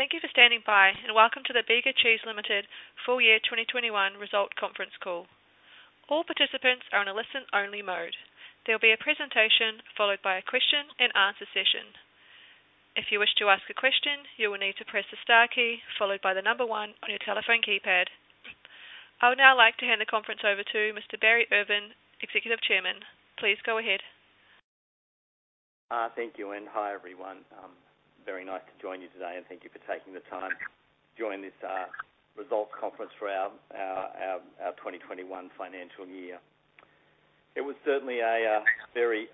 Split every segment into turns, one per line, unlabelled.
Thank you for standing by, and welcome to the Bega Cheese Limited Full Year 2021 Result Conference Call. I would now like to hand the conference over to Mr. Barry Irvin, Executive Chairman. Please go ahead.
Thank you. Hi, everyone. Very nice to join you today, and thank you for taking the time to join this results conference for our 2021 financial year. It was certainly a very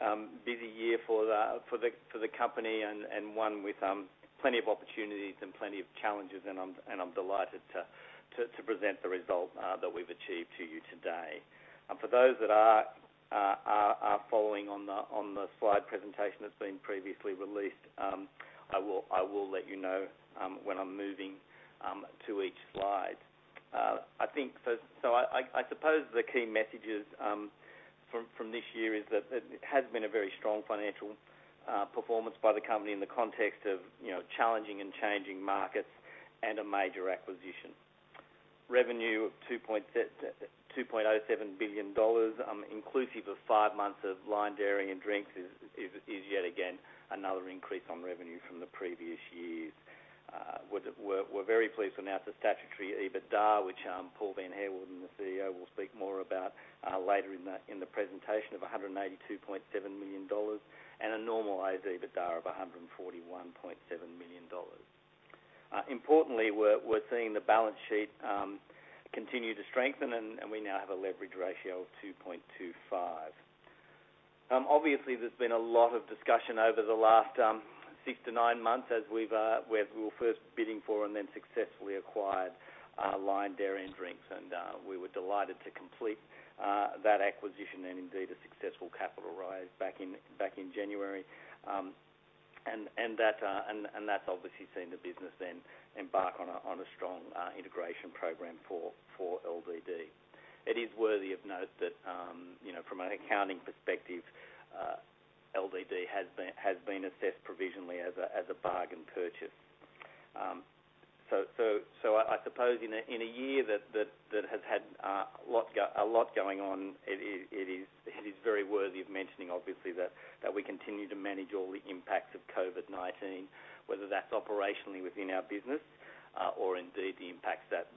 busy year for the company and one with plenty of opportunities and plenty of challenges, and I'm delighted to present the result that we've achieved to you today. For those that are following on the slide presentation that's been previously released, I will let you know when I'm moving to each slide. I suppose the key messages from this year is that it has been a very strong financial performance by the company in the context of challenging and changing markets and a major acquisition. Revenue of 2.07 billion dollars, inclusive of five months of Lion Dairy & Drinks, is yet again another increase on revenue from the previous years. We are very pleased to announce a statutory EBITDA, which Paul van Heerwaarden, the CEO, will speak more about later in the presentation, of 182.7 million dollars and a normalized EBITDA of 141.7 million dollars. Importantly, we're seeing the balance sheet continue to strengthen, and we now have a leverage ratio of 2.25. Obviously, there's been a lot of discussion over the last six to nine months as we were first bidding for and then successfully acquired Lion Dairy & Drinks. We were delighted to complete that acquisition and indeed a successful capital raise back in January. That's obviously seen the business then embark on a strong integration program for LDD. It is worthy of note that from an accounting perspective, LDD has been assessed provisionally as a bargain purchase. I suppose in a year that has had a lot going on, it is very worthy of mentioning, obviously, that we continue to manage all the impacts of COVID-19, whether that's operationally within our business or indeed the impacts that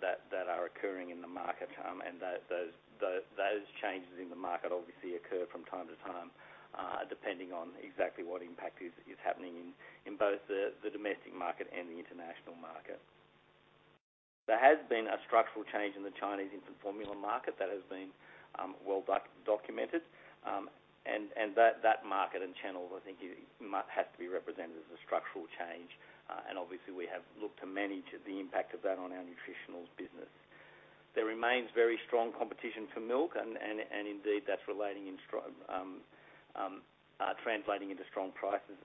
are occurring in the market. Those changes in the market obviously occur from time to time, depending on exactly what impact is happening in both the domestic market and the international market. There has been a structural change in the Chinese infant formula market that has been well-documented, and that market and channel, I think, has to be represented as a structural change. Obviously, we have looked to manage the impact of that on our Nutritionals business. There remains very strong competition for milk, and indeed that's translating into strong prices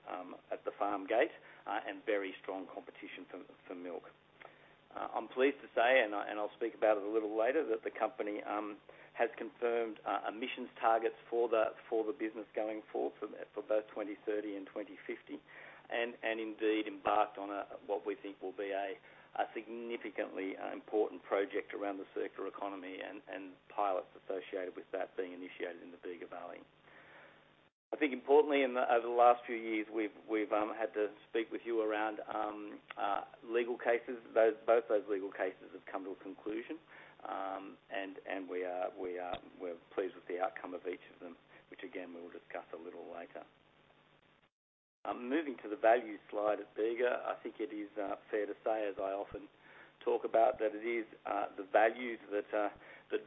at the farm gate and very strong competition for milk. I'm pleased to say, and I'll speak about it a little later, that the company has confirmed emissions targets for the business going forward for both 2030 and 2050, and indeed embarked on what we think will be a significantly important project around the circular economy and pilots associated with that being initiated in the Bega Valley. I think importantly, over the last few years, we've had to speak with you around legal cases. Both those legal cases have come to a conclusion, and we're pleased with the outcome of each of them, which again, we'll discuss a little later. Moving to the values slide at Bega, I think it is fair to say, as I often talk about, that it is the values that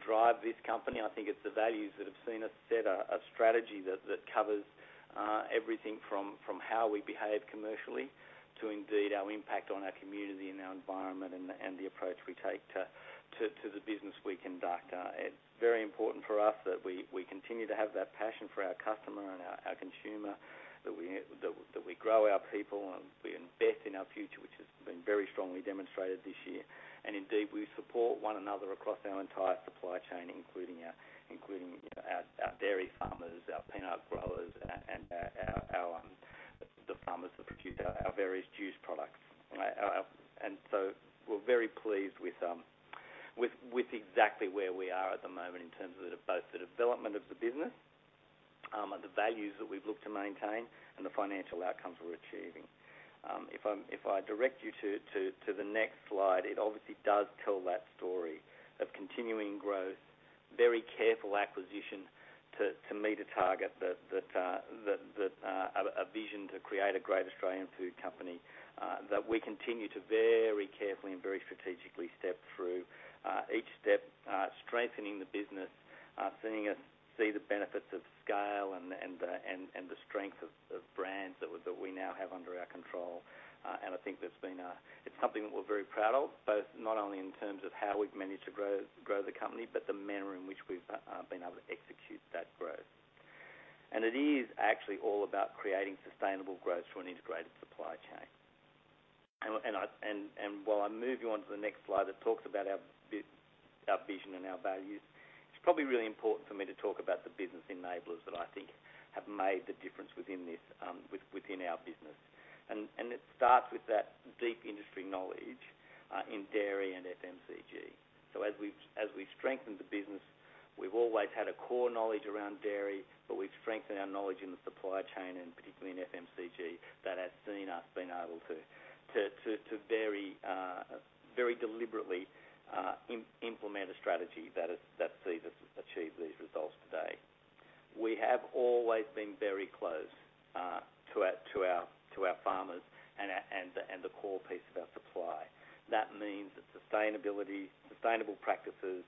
drive this company. I think it's the values that have seen us set a strategy that covers everything from how we behave commercially to indeed our impact on our community and our environment and the approach we take to the business we conduct. It's very important for us that we continue to have that passion for our customer and our consumer, that we grow our people, and we invest in our future, which has been very strongly demonstrated this year. Indeed, we support one another across our entire supply chain, including our dairy farmers, our peanut growers, and the farmers that produce our various juice products. So we're very pleased with exactly where we are at the moment in terms of both the development of the business, the values that we've looked to maintain, and the financial outcomes we're achieving. If I direct you to the next slide, it obviously does tell that story of continuing growth, very careful acquisition to meet a target that a vision to create a great Australian food company, that we continue to very carefully and very strategically step through each step, strengthening the business, seeing us see the benefits of scale and the strength of brands that we now have under our control. I think it's something that we're very proud of, both not only in terms of how we've managed to grow the company, but the manner in which we've been able to execute that growth. It is actually all about creating sustainable growth through an integrated supply chain. While I move you on to the next slide that talks about our vision and our values, it's probably really important for me to talk about the business enablers that I think have made the difference within our business. It starts with that deep industry knowledge, in dairy and FMCG. As we've strengthened the business, we've always had a core knowledge around dairy, but we've strengthened our knowledge in the supply chain, and particularly in FMCG, that has seen us being able to very deliberately implement a strategy that sees us achieve these results today. We have always been very close to our farmers and the core piece of our supply. That means that sustainable practices,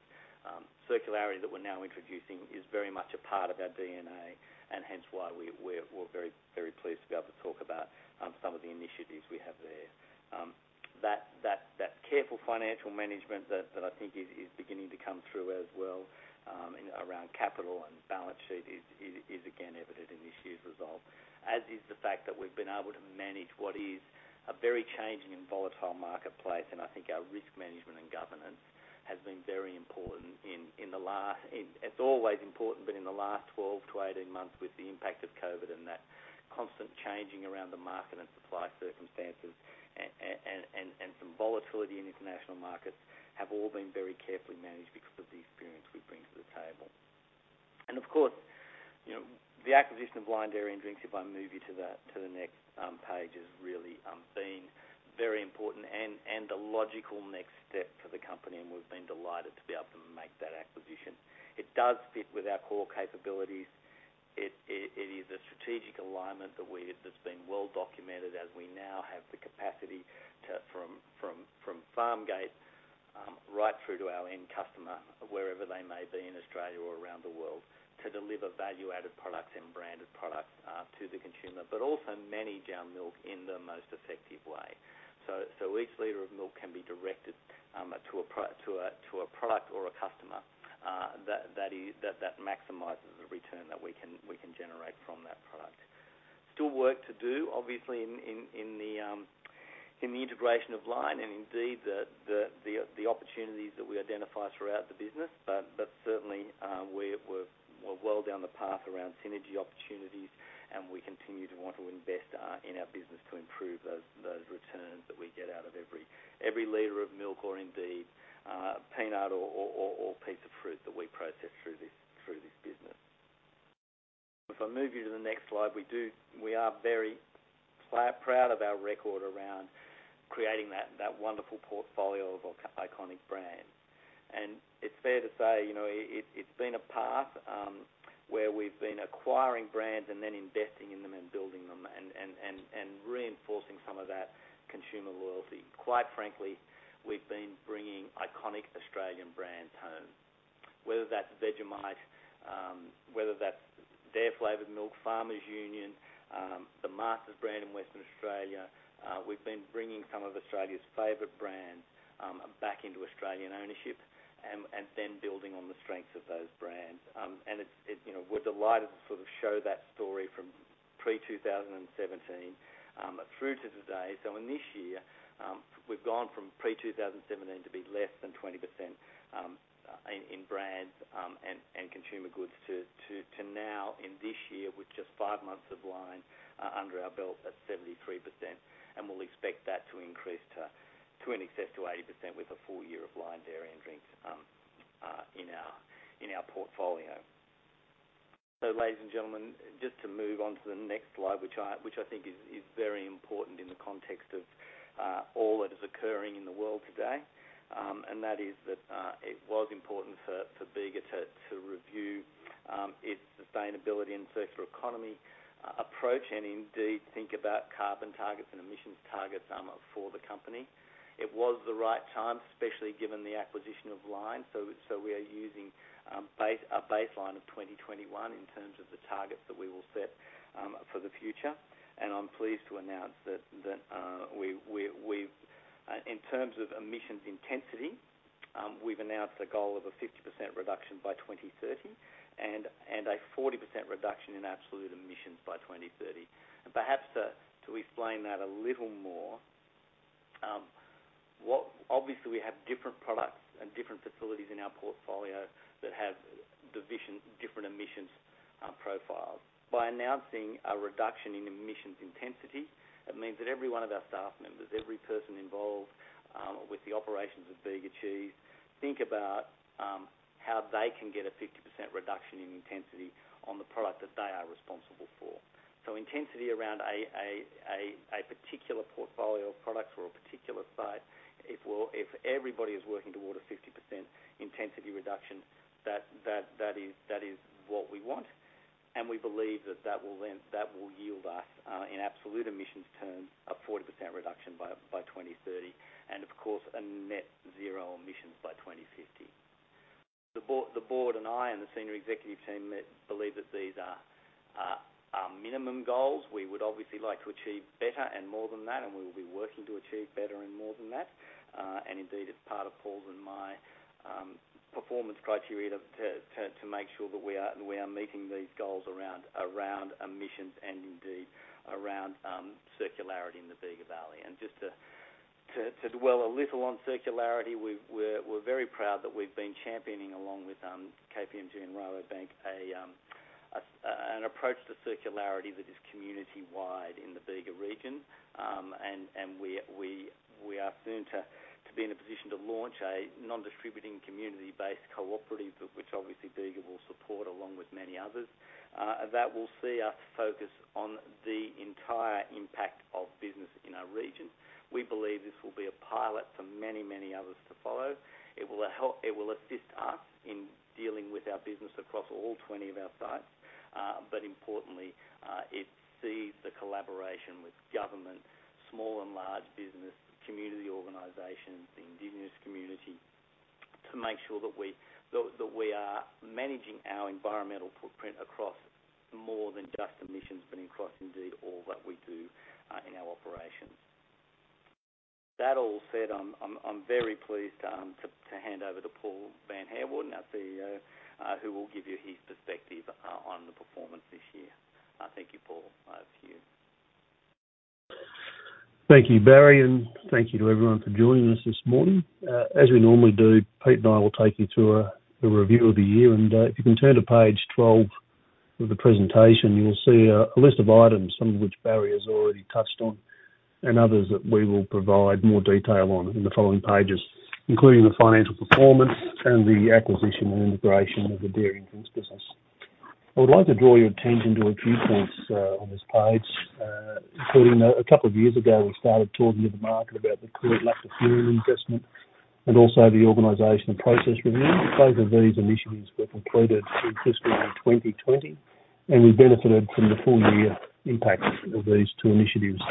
circularity that we're now introducing, is very much a part of our DNA and hence why we're very pleased to be able to talk about some of the initiatives we have there. That careful financial management that I think is beginning to come through as well, around capital and balance sheet is again evident in this year's result. As is the fact that we've been able to manage what is a very changing and volatile marketplace, and I think our risk management and governance has been very important. It's always important, but in the last 12 to 18 months, with the impact of COVID and that constant changing around the market and supply circumstances, and some volatility in international markets, have all been very carefully managed because of the experience we bring to the table. Of course, the acquisition of Lion Dairy & Drinks, if I move you to the next page, has really been very important and a logical next step for the company, and we've been delighted to be able to make that acquisition. It does fit with our core capabilities. It is a strategic alignment that's been well documented as we now have the capacity from farm gate, right through to our end customer, wherever they may be in Australia or around the world, to deliver value-added products and branded products to the consumer, but also manage our milk in the most effective way. Each liter of milk can be directed to a product or a customer that maximizes the return that we can generate from that product. Still work to do, obviously, in the integration of Lion and indeed the opportunities that we identify throughout the business. Certainly, we're well down the path around synergy opportunities, and we continue to want to invest in our business to improve those returns that we get out of every 1 liter of milk or indeed, peanut or piece of fruit that we process through this business. If I move you to the next slide, we are very proud of our record around creating that wonderful portfolio of iconic brands. It's fair to say, it's been a path where we've been acquiring brands and then investing in them and building them and reinforcing some of that consumer loyalty. Quite frankly, we've been bringing iconic Australian brands home. Whether that's Vegemite, whether that's Dare flavored milk, Farmers Union, the Masters brand in Western Australia. We've been bringing some of Australia's favorite brands back into Australian ownership and then building on the strengths of those brands. We're delighted to show that story from pre-2017, through to today. In this year, we've gone from pre-2017 to be less than 20% in brands, and consumer goods, to now in this year with just five months of Lion under our belt at 73%. We'll expect that to increase to in excess to 80% with a full year of Lion Dairy & Drinks in our portfolio. Ladies and gentlemen, just to move on to the next slide, which I think is very important in the context of all that is occurring in the world today. That is that it was important for Bega to review its sustainability and circular economy approach and indeed think about carbon targets and emissions targets for the company. It was the right time, especially given the acquisition of Lion. We are using a baseline of 2021 in terms of the targets that we will set for the future. I'm pleased to announce that in terms of emissions intensity, we've announced a goal of a 50% reduction by 2030 and a 40% reduction in absolute emissions by 2030. Perhaps to explain that a little more, obviously we have different products and different facilities in our portfolio that have different emissions profiles. By announcing a reduction in emissions intensity, it means that every one of our staff members, every person involved with the operations of Bega Cheese, think about how they can get a 50% reduction in intensity on the product that they are responsible for. Intensity around a particular portfolio of products for a particular site. If everybody is working toward a 50% intensity reduction, that is what we want. We believe that will yield us, in absolute emissions terms, a 40% reduction by 2030, and of course, a net zero emissions by 2050. The board and I and the senior executive team believe that these are minimum goals. We would obviously like to achieve better and more than that, and we will be working to achieve better and more than that, and indeed it's part of Paul's and my performance criteria to make sure that we are meeting these goals around emissions and indeed around circularity in the Bega Valley. Just to dwell a little on circularity, we're very proud that we've been championing along with KPMG and Rabobank an approach to circularity that is community-wide in the Bega region. We are soon to be in a position to launch a non-distributing community-based cooperative, which obviously Bega will support along with many others. That will see us focus on the entire impact of business in our region. We believe this will be a pilot for many others to follow. It will assist us in dealing with our business across all 20 of our sites, but importantly, it sees the collaboration with government, small and large business, community organizations, the indigenous community, to make sure that we are managing our environmental footprint across more than just emissions, but across indeed all that we do in our operations. That all said, I am very pleased to hand over to Paul van Heerwaarden, our CEO, who will give you his perspective on the performance this year. Thank you, Paul. Over to you.
Thank you, Barry, and thank you to everyone for joining us this morning. As we normally do, Pete and I will take you through a review of the year. If you can turn to page 12 of the presentation, you will see a list of items, some of which Barry has already touched on, and others that we will provide more detail on in the following pages, including the financial performance and the acquisition and integration of the Dairy and Drinks business. I would like to draw your attention to a few points on this page, including a couple of years ago, we started talking to the market about the current lack of further investment and also the organization and process review. Both of these initiatives were concluded in fiscal year 2020, and we benefited from the full year impact of these two initiatives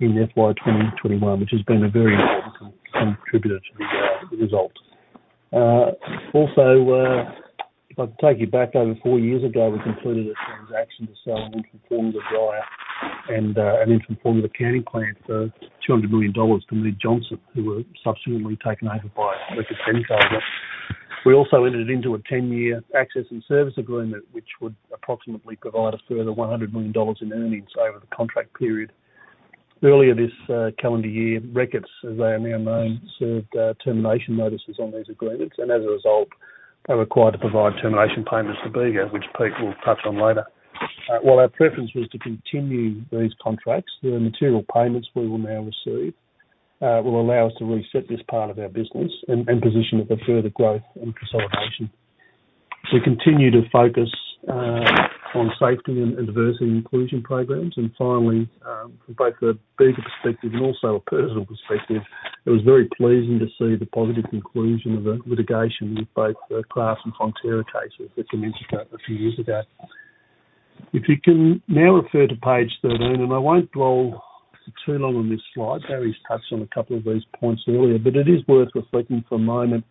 in FY 2021, which has been a very important contributor to the result. Also, if I can take you back, over four years ago, we concluded a transaction to sell an infant formula dryer and an infant formula canning plant for 200 million dollars to Mead Johnson, who were subsequently taken over by Reckitt Benckiser. We also entered into a 10-year access and service agreement, which would approximately provide us further 100 million dollars in earnings over the contract period. Earlier this calendar year, Reckitt, as they are now known, served termination notices on these agreements, and as a result, they were required to provide termination payments to Bega, which Pete will touch on later. While our preference was to continue these contracts, the material payments we will now receive will allow us to reset this part of our business and position it for further growth and consolidation. We continue to focus on safety and diversity and inclusion programs. Finally, from both a Bega perspective and also a personal perspective, it was very pleasing to see the positive conclusion of the litigation with both the Kraft and Fonterra cases, which I mentioned a few years ago. If you can now refer to page 13, and I won't dwell for too long on this slide, Barry's touched on a couple of these points earlier, but it is worth reflecting for a moment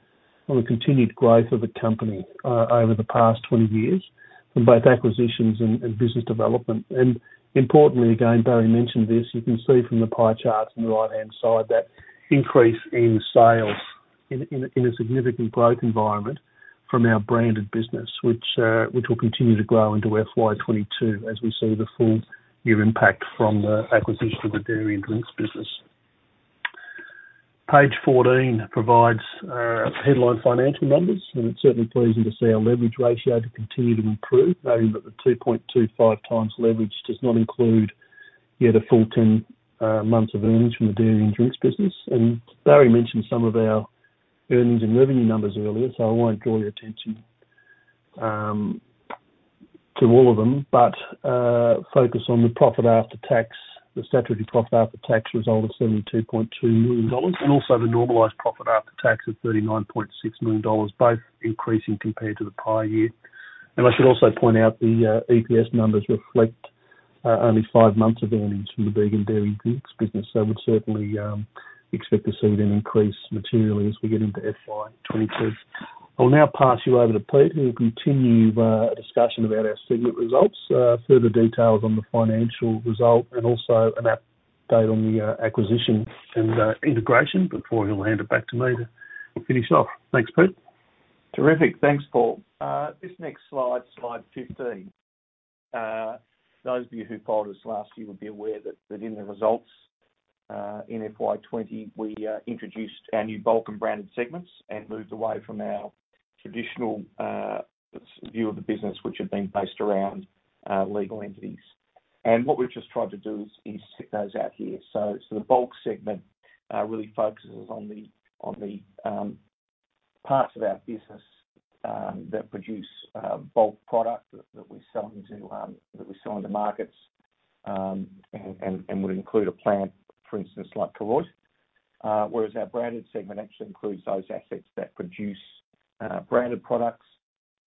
on the continued growth of the company over the past 20 years in both acquisitions and business development. Importantly, again, Barry mentioned this, you can see from the pie charts on the right-hand side that increase in sales in a significant growth environment from our branded business, which will continue to grow into FY 2022 as we see the full year impact from the acquisition of the Dairy and Drinks business. Page 14 provides headline financial numbers, it's certainly pleasing to see our leverage ratio to continue to improve, noting that the 2.25x leverage does not include yet a full 10 months of earnings from the Dairy and Drinks business. Barry mentioned some of our earnings and revenue numbers earlier, so I won't draw your attention to all of them, but focus on the profit after tax, the statutory profit after tax result of 72.2 million dollars, and also the normalized profit after tax of 39.6 million dollars, both increasing compared to the prior year. I should also point out the EPS numbers reflect only five months of earnings from the Bega Dairy Drinks business, so we'd certainly expect to see them increase materially as we get into FY 2022. I'll now pass you over to Pete, who will continue a discussion about our segment results, further details on the financial result, and also an update on the acquisition and integration before he'll hand it back to me to finish off. Thanks, Pete.
Terrific. Thanks, Paul. This next slide 15. Those of you who followed us last year will be aware that in the results in FY 2020, we introduced our new bulk and branded segments and moved away from our traditional view of the business, which had been based around legal entities. What we've just tried to do is set those out here. The bulk segment really focuses on the parts of our business that produce bulk product that we sell into markets, and would include a plant, for instance, like Koroit. Whereas our branded segment actually includes those assets that produce branded products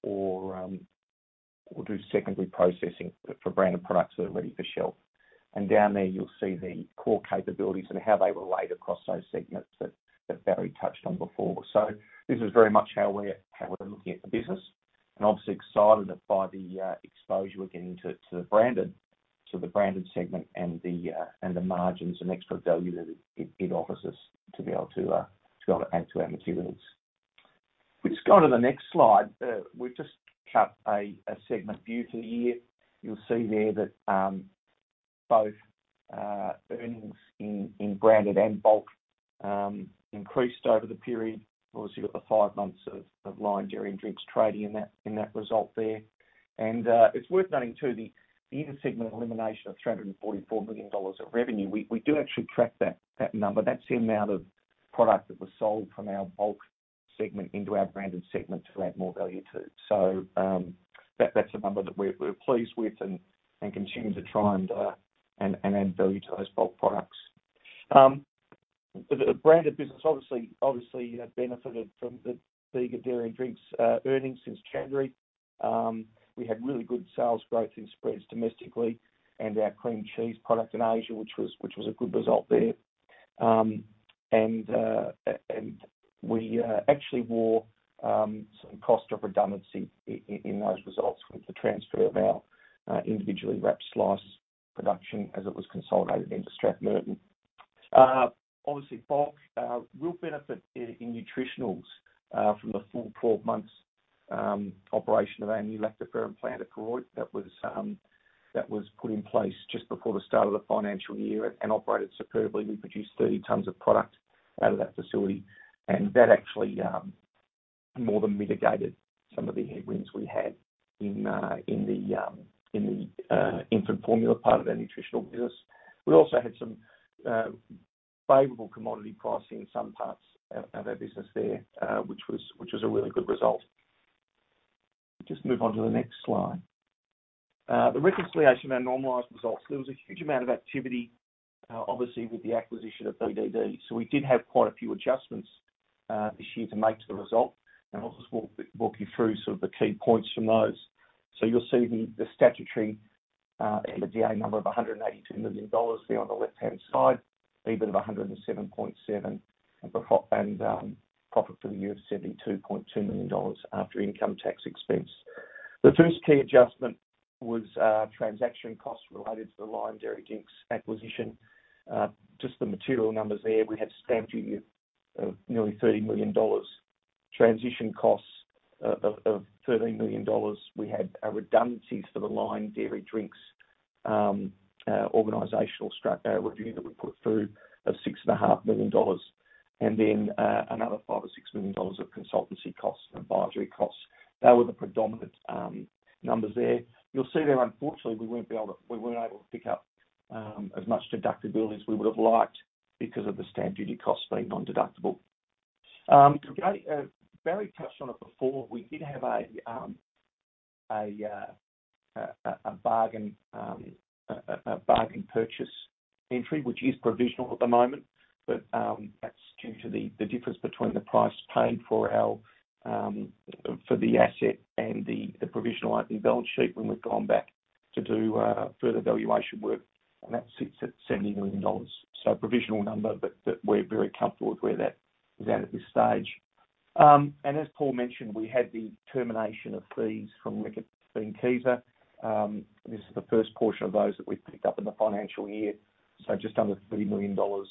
or do secondary processing for branded products that are ready for shelf. Down there, you'll see the core capabilities and how they relate across those segments that Barry touched on before. This is very much how we're looking at the business, and obviously excited by the exposure we're getting to the branded segment and the margins and extra value that it offers us to be able to add to our materials. We'll just go to the next slide. We've just cut a segment view for the year. You'll see there that both earnings in branded and bulk increased over the period. Obviously, you've got the five months of Lion Dairy and Drinks trading in that result there. It's worth noting too, the inter-segment elimination of 344 million dollars of revenue. We do actually track that number. That's the amount of product that was sold from our bulk segment into our branded segment to add more value to. That's a number that we're pleased with and continue to try and add value to those bulk products. The branded business obviously benefited from the Bega Dairy and Drinks earnings since January. We had really good sales growth in spreads domestically and our cream cheese product in Asia, which was a good result there. We actually wore some cost of redundancy in those results with the transfer of our individually wrapped slices production as it was consolidated into Strathmerton. Obviously, bulk, real benefit in Nutritionals from the full 12 months operation of our new lactoferrin plant at Koroit that was put in place just before the start of the financial year and operated superbly. We produced 30 tons of product out of that facility, and that actually more than mitigated some of the headwinds we had in the infant formula part of our nutritional business. We also had some favorable commodity pricing in some parts of our business there, which was a really good result. Just move on to the next slide. The reconciliation of our normalized results. There was a huge amount of activity, obviously, with the acquisition of BDD. We did have quite a few adjustments this year to make to the result, and I'll just walk you through sort of the key points from those. You'll see the statutory EBITDA number of 182 million dollars there on the left-hand side, EBIT of 107.7 million and profit for the year of 72.2 million dollars after income tax expense. The first key adjustment was transaction costs related to the Lion Dairy & Drinks acquisition. Just the material numbers there. We had stamp duty of nearly 30 million dollars, transition costs of 13 million dollars. We had our redundancies for the Lion Dairy & Drinks organizational review that we put through of 6.5 million dollars and then another 5 million or 6 million dollars of consultancy costs and advisory costs. They were the predominant numbers there. You'll see there, unfortunately, we weren't able to pick up as much deductibility as we would have liked because of the stamp duty costs being nondeductible. Barry touched on it before. We did have a bargain purchase entry, which is provisional at the moment, but that's due to the difference between the price paid for the asset and the provisional item in the balance sheet when we've gone back to do further valuation work, and that sits at 70 million dollars. So provisional number, but we're very comfortable with where that is at this stage. And as Paul mentioned, we had the termination of fees from Mead Johnson. This is the first portion of those that we've picked up in the financial year. So just under 3 million dollars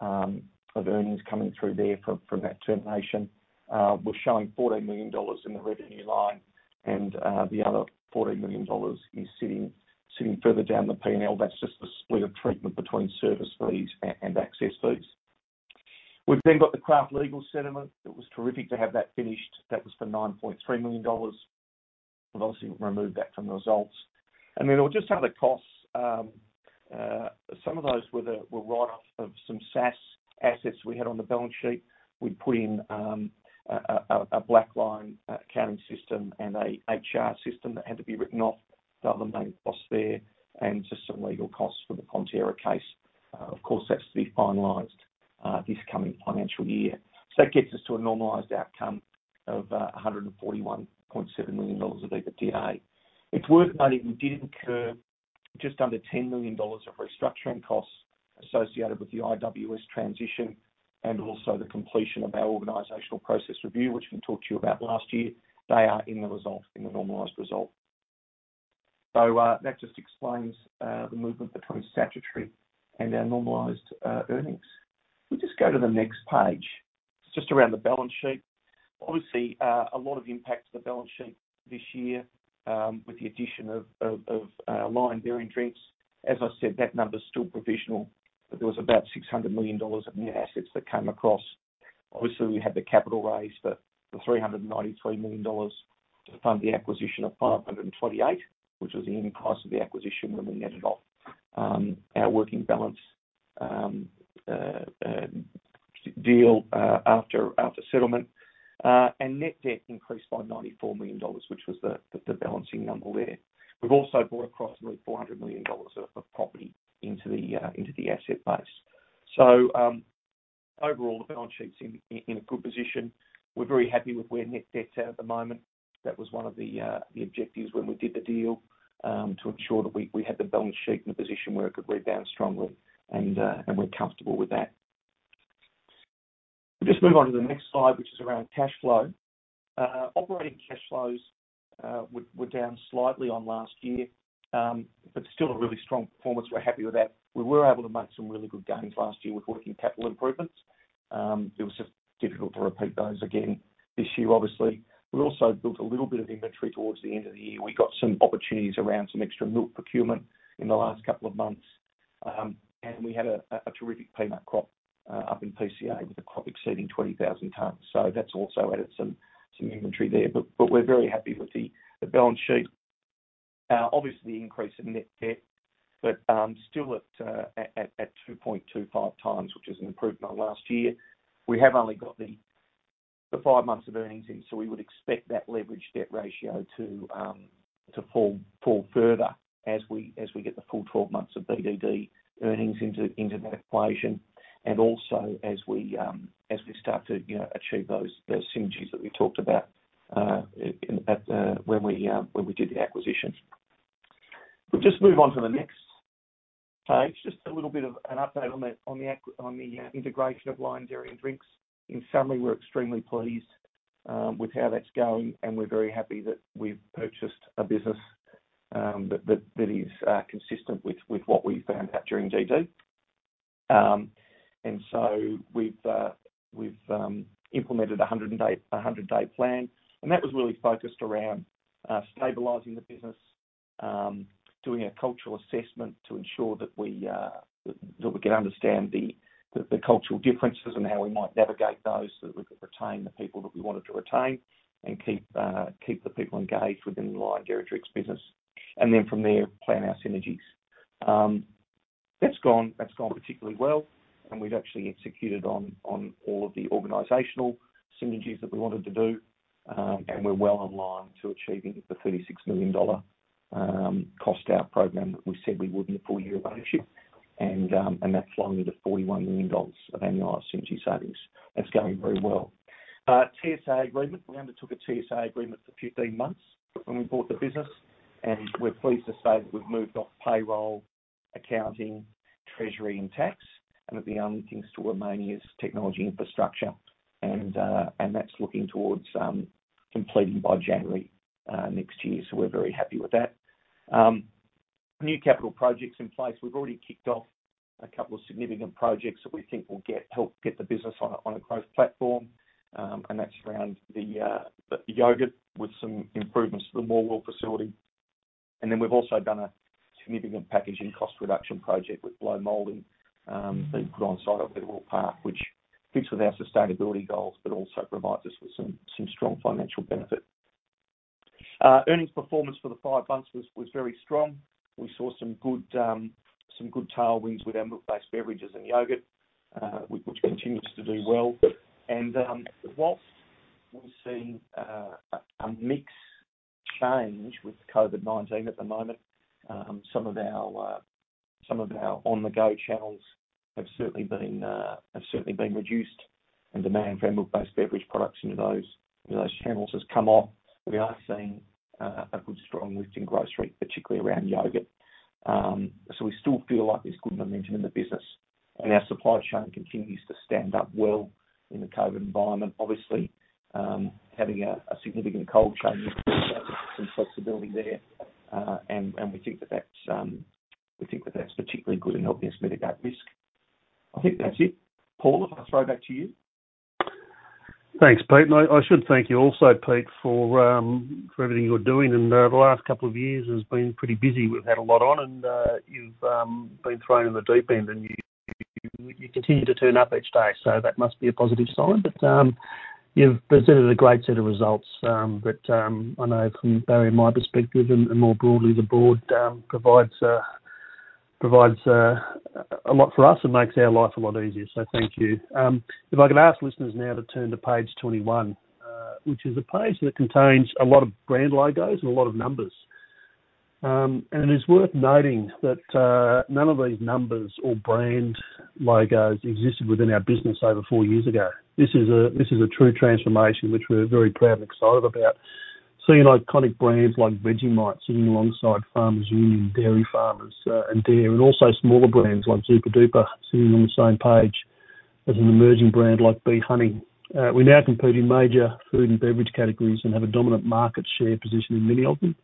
of earnings coming through there from that termination. We're showing 14 million dollars in the revenue line and the other 14 million dollars is sitting further down the P&L. That's just the split of treatment between service fees and access fees. We've got the Kraft legal settlement. It was terrific to have that finished. That was for 9.3 million dollars. We've obviously removed that from the results. On just other costs, some of those were the write-off of some SaaS assets we had on the balance sheet. We put in a BlackLine accounting system and a HR system that had to be written off. The other main cost there and just some legal costs for the Fonterra case. Of course, that's to be finalized this coming financial year. That gets us to a normalized outcome of 141.7 million dollars of EBITDA. It's worth noting we did incur just under 10 million dollars of restructuring costs associated with the IWS transition and also the completion of our organizational process review, which we talked to you about last year. They are in the results, in the normalized result. That just explains the movement between statutory and our normalized earnings. We'll just go to the next page. Just around the balance sheet. Obviously, a lot of impact to the balance sheet this year with the addition of Lion Dairy and Drinks. As I said, that number's still provisional, but there was about 600 million dollars of new assets that came across. Obviously, we had the capital raise for 393 million dollars to fund the acquisition of 528 million, which was the ending cost of the acquisition when we netted off our working balance deal after settlement. Net debt increased by 94 million dollars, which was the balancing number there. We've also brought across nearly 400 million dollars of property into the asset base. Overall, the balance sheet's in a good position. We're very happy with where net debt's at at the moment. That was one of the objectives when we did the deal, to ensure that we had the balance sheet in a position where it could rebound strongly, and we're comfortable with that. We'll just move on to the next slide, which is around cash flow. Operating cash flows were down slightly on last year, still a really strong performance. We're happy with that. We were able to make some really good gains last year with working capital improvements. It was just difficult to repeat those again this year, obviously. We also built a little bit of inventory towards the end of the year. We got some opportunities around some extra milk procurement in the last couple of months. We had a terrific peanut crop up in PCA with the crop exceeding 20,000 tons. That's also added some inventory there. We're very happy with the balance sheet. Obviously, the increase in net debt, still at 2.25x, which is an improvement on last year. We have only got the five months of earnings in, we would expect that leverage debt ratio to fall further as we get the full 12 months of BDD earnings into that equation, also as we start to achieve those synergies that we talked about when we did the acquisition. We'll just move on to the next page. Just a little bit of an update on the integration of Lion Dairy and Drinks. In summary, we're extremely pleased with how that's going, and we're very happy that we've purchased a business that is consistent with what we found out during DD. We've implemented a 100-day plan, and that was really focused around stabilizing the business, doing a cultural assessment to ensure that we can understand the cultural differences and how we might navigate those so that we could retain the people that we wanted to retain and keep the people engaged within the Lion Dairy and Drinks business. From there, plan our synergies. That's gone particularly well, and we've actually executed on all of the organizational synergies that we wanted to do. We're well on line to achieving the 36 million dollar cost out program that we said we would in the full year of ownership, and that's lined with a 41 million dollars of annualized synergy savings. That's going very well. TSA agreement. We undertook a TSA agreement for 15 months when we bought the business, and we're pleased to say that we've moved off payroll, accounting, treasury, and tax, and that the only things to remain is technology infrastructure. That's looking towards completing by January next year. We're very happy with that. New capital projects in place. We've already kicked off a couple of significant projects that we think will help get the business on a growth platform, and that's around the yogurt with some improvements to the Morwell facility. We've also done a significant packaging cost reduction project with blow molding, being put on site up at Morwell plant, which fits with our sustainability goals, but also provides us with some strong financial benefit. Earnings performance for the five months was very strong. We saw some good tailwinds with our milk-based beverages and yogurt, which continues to do well. Whilst we've seen a mix change with COVID-19 at the moment, some of our on-the-go channels have certainly been reduced, and demand for our milk-based beverage products into those channels has come off. We are seeing a good, strong lift in grocery, particularly around yogurt. We still feel like there's good momentum in the business and our supply chain continues to stand up well in the COVID environment. Obviously, having a significant cold chain, some flexibility there, we think that that's particularly good and helped us mitigate risk. I think that's it. Paul, if I throw back to you.
Thanks, Pete. I should thank you also, Pete, for everything you're doing. The last couple of years has been pretty busy. We've had a lot on and you've been thrown in the deep end, and you continue to turn up each day, so that must be a positive sign. You've presented a great set of results that I know from Barry and my perspective and more broadly, the board provides a lot for us and makes our life a lot easier. Thank you. If I could ask listeners now to turn to page 21, which is a page that contains a lot of brand logos and a lot of numbers. It is worth noting that none of these numbers or brand logos existed within our business over four years ago. This is a true transformation which we're very proud and excited about. Seeing iconic brands like Vegemite sitting alongside Farmers Union, Dairy Farmers, and Dare, and also smaller brands like Zooper Dooper sitting on the same page as an emerging brand like B honey. We now compete in major food and beverage categories and have a dominant market share position in many of them.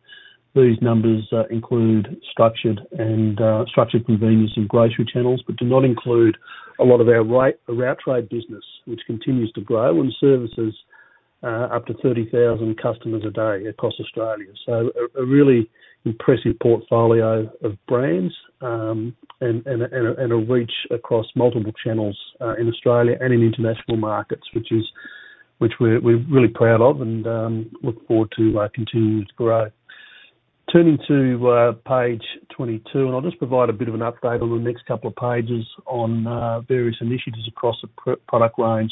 These numbers include structured convenience and grocery channels, but do not include a lot of our route trade business, which continues to grow and services up to 30,000 customers a day across Australia. A really impressive portfolio of brands and a reach across multiple channels in Australia and in international markets, which we're really proud of and look forward to continued growth. Turning to page 22, and I'll just provide a bit of an update on the next couple of pages on various initiatives across the product range.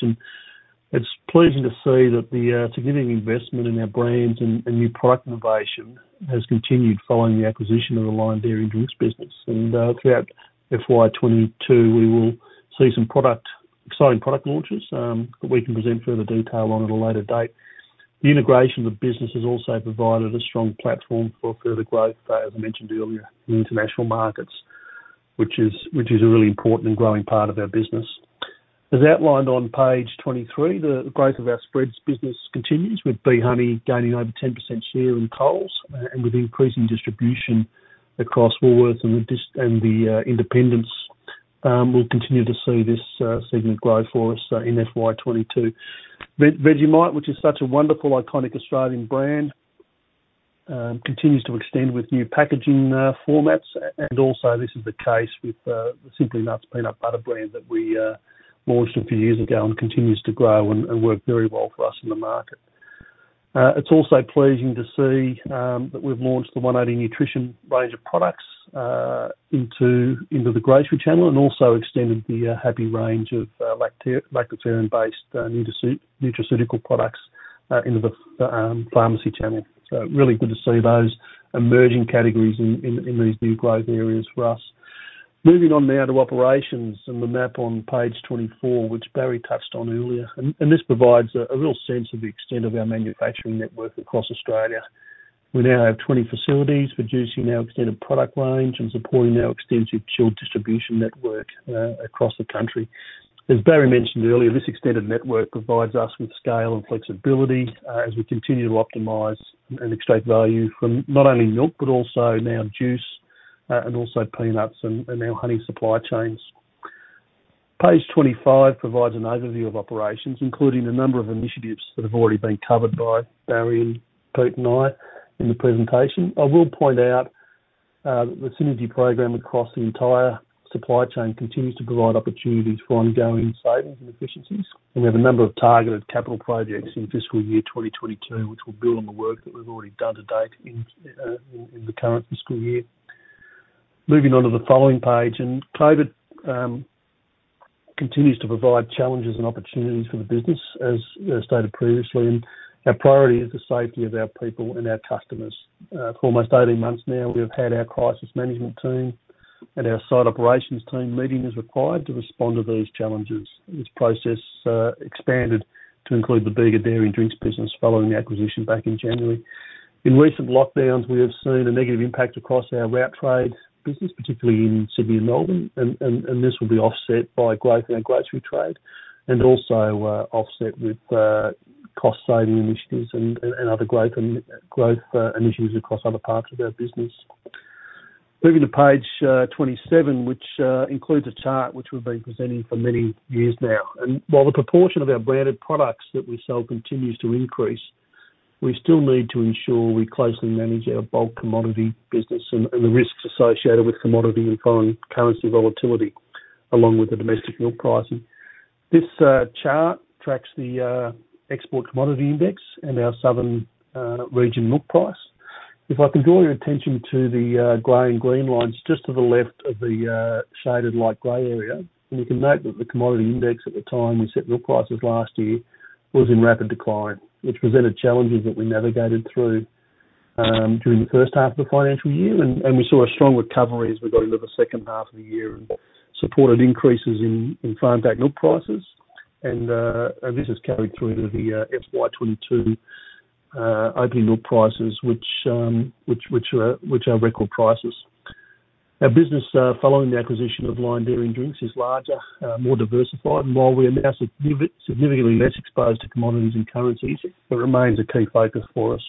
It's pleasing to see that the significant investment in our brands and new product innovation has continued following the acquisition of the Lion Dairy and Drinks business. Throughout FY 2022, we will see some exciting product launches that we can present further detail on at a later date. The integration of the business has also provided a strong platform for further growth, as I mentioned earlier, in international markets, which is a really important and growing part of our business. As outlined on page 23, the growth of our spreads business continues, with B honey gaining over 10% share in Coles, and with increasing distribution across Woolworths and the independents. We'll continue to see this segment grow for us in FY 2022. Vegemite, which is such a wonderful iconic Australian brand, continues to extend with new packaging formats and also this is the case with Simply Nuts peanut butter brand that we launched a few years ago and continues to grow and work very well for us in the market. It's also pleasing to see that we've launched the 180 Nutrition range of products into the grocery channel and also extended the Happi range of lactoferrin-based nutraceutical products into the pharmacy channel. Really good to see those emerging categories in these new growth areas for us. Moving on now to operations and the map on page 24, which Barry touched on earlier, this provides a real sense of the extent of our manufacturing network across Australia. We now have 20 facilities producing our extended product range and supporting our extensive chilled distribution network across the country. As Barry mentioned earlier, this extended network provides us with scale and flexibility as we continue to optimize and extract value from not only milk, but also now juice, and also peanuts and now honey supply chains. Page 25 provides an overview of operations, including a number of initiatives that have already been covered by Barry, Pete, and I in the presentation. I will point out that the synergy program across the entire supply chain continues to provide opportunities for ongoing savings and efficiencies, and we have a number of targeted capital projects in FY 2022, which will build on the work that we've already done to date in the current fiscal year. Moving on to the following page, COVID continues to provide challenges and opportunities for the business, as stated previously, and our priority is the safety of our people and our customers. For almost 18 months now, we have had our crisis management team and our site operations team meeting as required to respond to these challenges. This process expanded to include the Bega Dairy and Drinks business following the acquisition back in January. In recent lockdowns, we have seen a negative impact across our route trade business, particularly in Sydney and Melbourne. This will be offset by growth in our grocery trade and also offset with cost-saving initiatives and other growth initiatives across other parts of our business. Moving to page 27, which includes a chart which we've been presenting for many years now. While the proportion of our branded products that we sell continues to increase, we still need to ensure we closely manage our bulk commodity business and the risks associated with commodity and foreign currency volatility, along with the domestic milk pricing. This chart tracks the export commodity index and our southern region milk price. If I can draw your attention to the gray and green lines just to the left of the shaded light gray area, you can note that the commodity index at the time we set milk prices last year was in rapid decline, which presented challenges that we navigated through during the first half of the financial year. We saw a strong recovery as we got into the second half of the year and supported increases in farm-gate milk prices. This has carried through to the FY 2022 opening milk prices, which are record prices. Our business following the acquisition of Lion Dairy and Drinks is larger, more diversified, and while we are now significantly less exposed to commodities and currencies, it remains a key focus for us.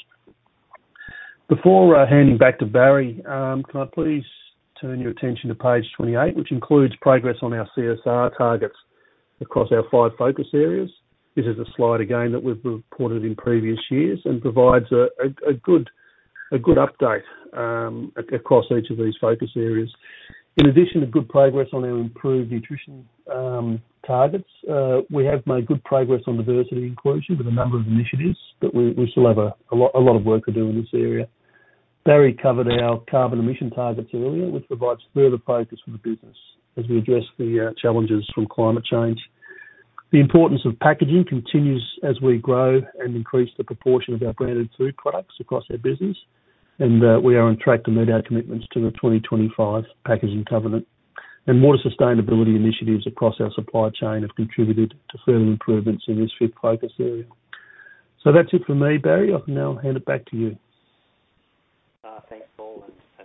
Before handing back to Barry, can I please turn your attention to page 28, which includes progress on our CSR targets across our five focus areas. This is a slide, again, that we've reported in previous years and provides a good update across each of these focus areas. In addition to good progress on our improved nutrition targets, we have made good progress on diversity and inclusion with a number of initiatives, but we still have a lot of work to do in this area. Barry covered our carbon emission targets earlier, which provides further focus for the business as we address the challenges from climate change. The importance of packaging continues as we grow and increase the proportion of our branded food products across our business, and we are on track to meet our commitments to the 2025 National Packaging Targets. Water sustainability initiatives across our supply chain have contributed to further improvements in this fifth focus area. That's it for me, Barry. I can now hand it back to you.
Thanks, Paul. I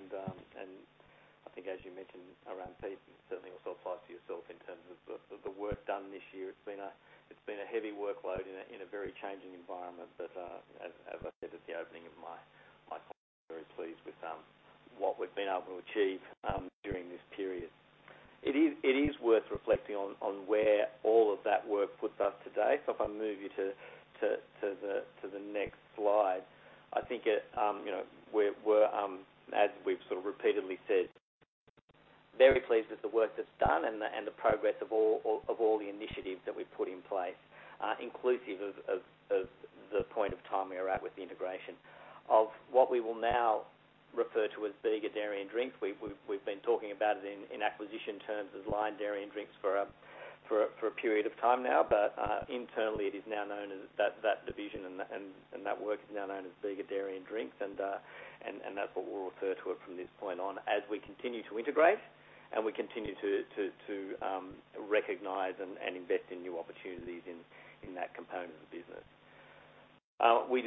think as you mentioned around Pete, certainly also apply to yourself in terms of the work done this year, it's been a heavy workload in a very changing environment. As I said at the opening of my talk, very pleased with what we've been able to achieve during this period. It is worth reflecting on where all of that work puts us today. If I move you to the next slide. I think, as we've sort of repeatedly said, very pleased with the work that's done and the progress of all the initiatives that we've put in place, inclusive of the point of time we are at with the integration of what we will now refer to as Bega Dairy and Drinks. We've been talking about it in acquisition terms as Lion Dairy & Drinks for a period of time now, but internally it is now known as that division and that work is now known as Bega Dairy and Drinks. That's what we'll refer to it from this point on as we continue to integrate and we continue to recognize and invest in new opportunities in that component of the business. We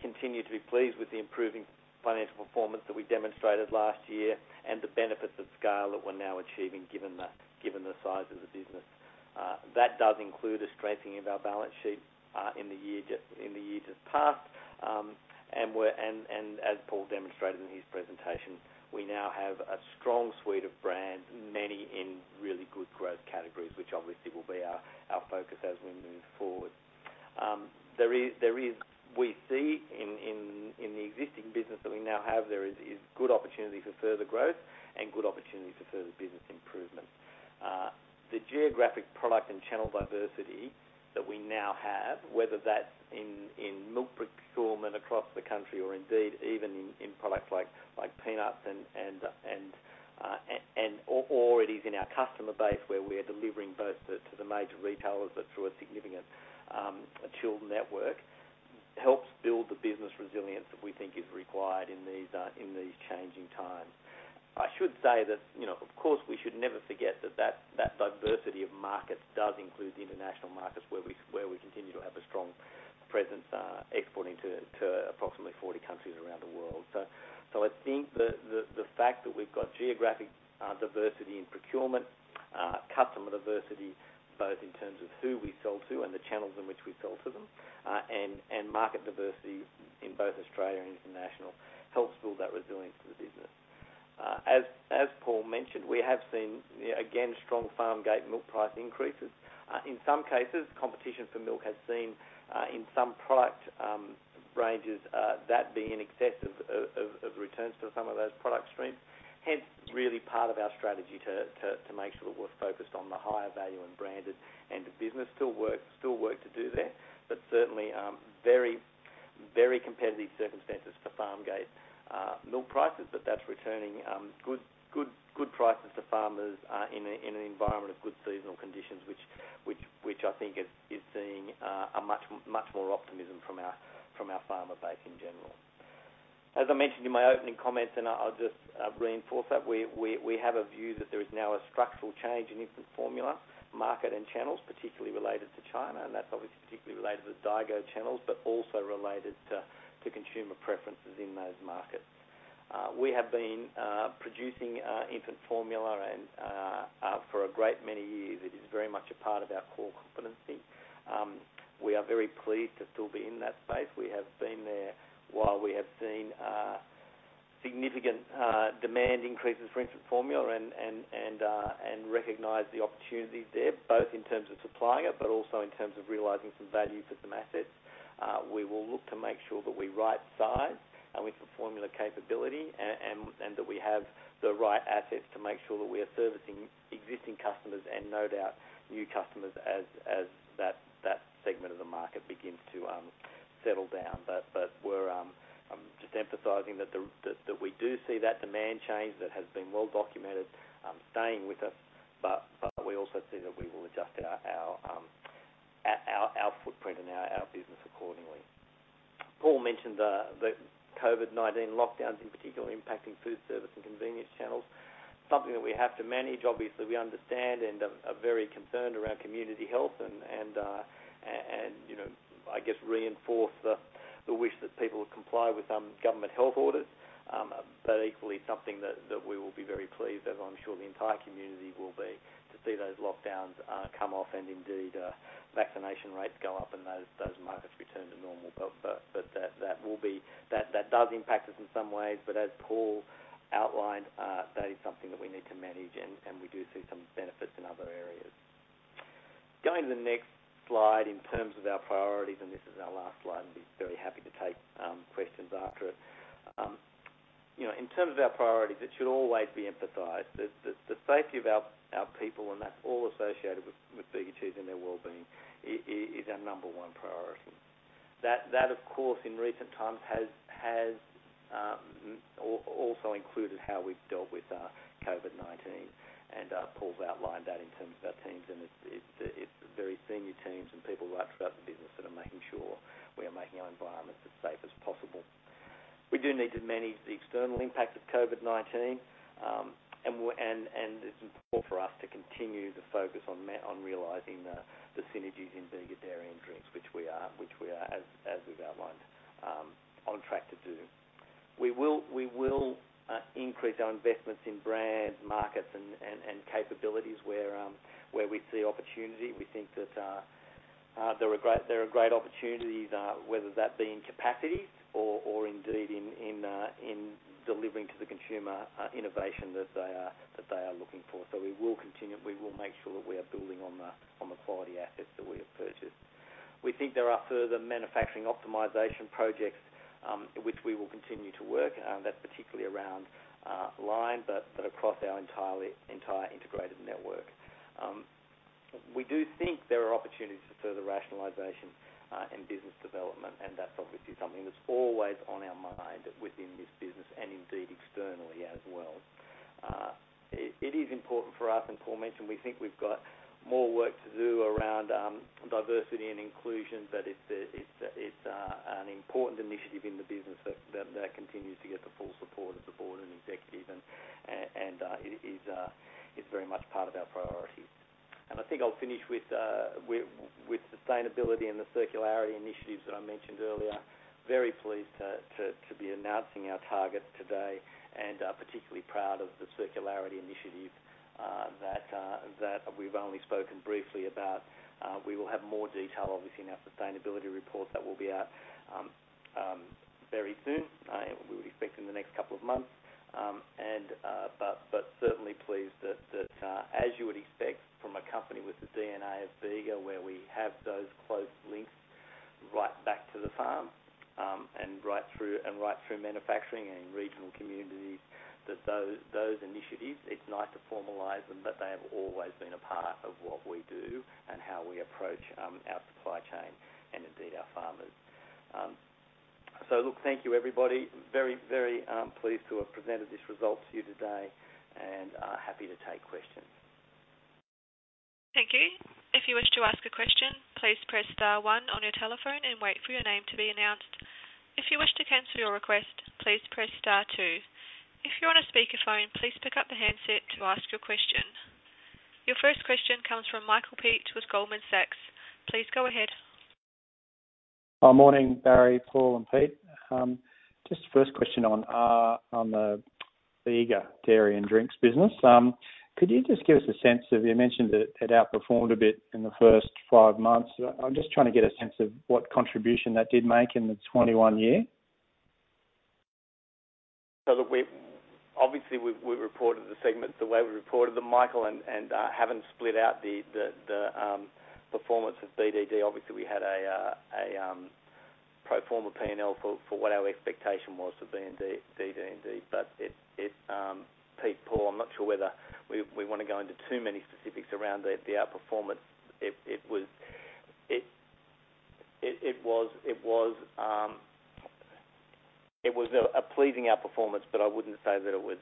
continue to be pleased with the improving financial performance that we demonstrated last year and the benefits of scale that we're now achieving, given the size of the business. That does include a strengthening of our balance sheet in the years past. As Paul demonstrated in his presentation, we now have a strong suite of brands, many in really good growth categories, which obviously will be our focus as we move forward. We see in the existing business that we now have, there is good opportunity for further growth and good opportunity for further business improvement. The geographic product and channel diversity that we now have, whether that's in milk procurement across the country or indeed even in products like peanuts, or it is in our customer base where we are delivering both to the major retailers but through a significant chilled network, helps build the business resilience that we think is required in these changing times. I should say that, of course, we should never forget that that diversity of markets does include the international markets where we continue to have a strong presence, exporting to approximately 40 countries around the world. I think the fact that we've got geographic diversity in procurement, customer diversity, both in terms of who we sell to and the channels in which we sell to them, and market diversity in both Australia and international, helps build that resilience to the business. As Paul mentioned, we have seen, again, strong farm-gate milk price increases. In some cases, competition for milk has seen, in some product ranges, that being in excess of returns for some of those product streams. Hence, really part of our strategy to make sure that we're focused on the higher value and branded end of business. Still work to do there, but certainly very competitive circumstances for farm-gate milk prices. That's returning good prices to farmers in an environment of good seasonal conditions, which I think is seeing much more optimism from our farmer base in general. As I mentioned in my opening comments, and I'll just reinforce that, we have a view that there is now a structural change in infant formula market and channels, particularly related to China, and that's obviously particularly related to the daigou channels, but also related to consumer preferences in those markets. We have been producing infant formula for a great many years. It is very much a part of our core competency. We are very pleased to still be in that space. We have been there while we have seen significant demand increases for infant formula and recognize the opportunities there, both in terms of supplying it, but also in terms of realizing some value for some assets. We will look to make sure that we right size our infant formula capability, and that we have the right assets to make sure that we are servicing existing customers and no doubt new customers as that segment of the market begins to settle down. We're just emphasizing that we do see that demand change that has been well-documented staying with us, but we also see that we will adjust our footprint and our business accordingly. Paul mentioned the COVID-19 lockdowns in particular impacting food service and convenience channels. Something that we have to manage. Obviously, we understand and are very concerned around community health, and I guess reinforce the wish that people comply with government health orders. Equally something that we will be very pleased, as I'm sure the entire community will be, to see those lockdowns come off and indeed, vaccination rates go up and those markets return to normal. That does impact us in some ways. As Paul outlined, that is something that we need to manage, and we do see some benefits in other areas. Going to the next slide in terms of our priorities, this is our last slide, and I'll be very happy to take questions after it. In terms of our priorities, it should always be emphasized that the safety of our people, and that's all associated with Bega Cheese and their wellbeing, is our number one priority. That, of course, in recent times, has also included how we've dealt with COVID-19. Paul's outlined that in terms of our teams, and it's the very senior teams and people right throughout the business that are making sure we are making our environments as safe as possible. We do need to manage the external impacts of COVID-19, and it's important for us to continue the focus on realizing the synergies in Bega Dairy and Drinks, which we are, as we've outlined, on track to do. We will increase our investments in brands, markets, and capabilities where we see opportunity. We think that there are great opportunities, whether that be in capacity or indeed in delivering to the consumer innovation that they are looking for. We will make sure that we are building on the quality assets that we have purchased. We think there are further manufacturing optimization projects, which we will continue to work. That's particularly around Lion, but across our entire integrated network. We do think there are opportunities for further rationalization and business development, and that's obviously something that's always on our mind within this business and indeed externally as well. It is important for us, and Paul mentioned, we think we've got more work to do around diversity and inclusion, but it's an important initiative in the business that continues to get the full support of the board and executive, and it is very much part of our priority. I think I'll finish with sustainability and the circularity initiatives that I mentioned earlier. Very pleased to be announcing our target today and particularly proud of the circularity initiative that we've only spoken briefly about. We will have more detail, obviously, in our sustainability report that will be out very soon. We would expect in the next couple of months. Certainly pleased that, as you would expect from a company with the DNA of Bega, where we have those close links right back to the farm and right through manufacturing and regional communities, that those initiatives, it's nice to formalize them, but they have always been a part of what we do and how we approach our supply chain and indeed our farmers. Look, thank you everybody. Very, very pleased to have presented this result to you today and happy to take questions.
Thank you. If you wish to ask a question, please press star one on your telephone and wait for your name to be announced. If you wish to cancel your request, please press star two. If you're on a speakerphone, please pick up the handset to ask your question. Your first question comes from Michael Peate with Goldman Sachs. Please go ahead.
Morning, Barry, Paul, and Pete. Just the first question on the Bega Dairy and Drinks business. Could you just give us a sense of, you mentioned that it outperformed a bit in the first five months. I'm just trying to get a sense of what contribution that did make in the FY 2021.
Look, obviously, we reported the segments the way we reported them, Michael, and haven't split out the performance of BDD. Obviously, we had a pro forma P&L for what our expectation was for BDD. Pete, Paul, I'm not sure whether we want to go into too many specifics around the outperformance. It was a pleasing outperformance, I wouldn't say that it was,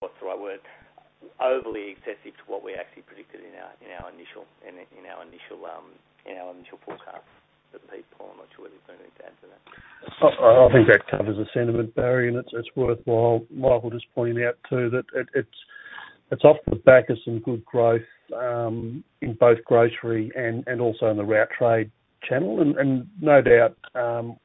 what's the right word, overly excessive to what we actually predicted in our initial forecast. Pete, Paul, I'm not sure whether you've got anything to add to that.
I think that covers the sentiment, Barry. It's worthwhile Michael just pointing out, too, that it's off the back of some good growth in both grocery and also in the route trade channel. No doubt,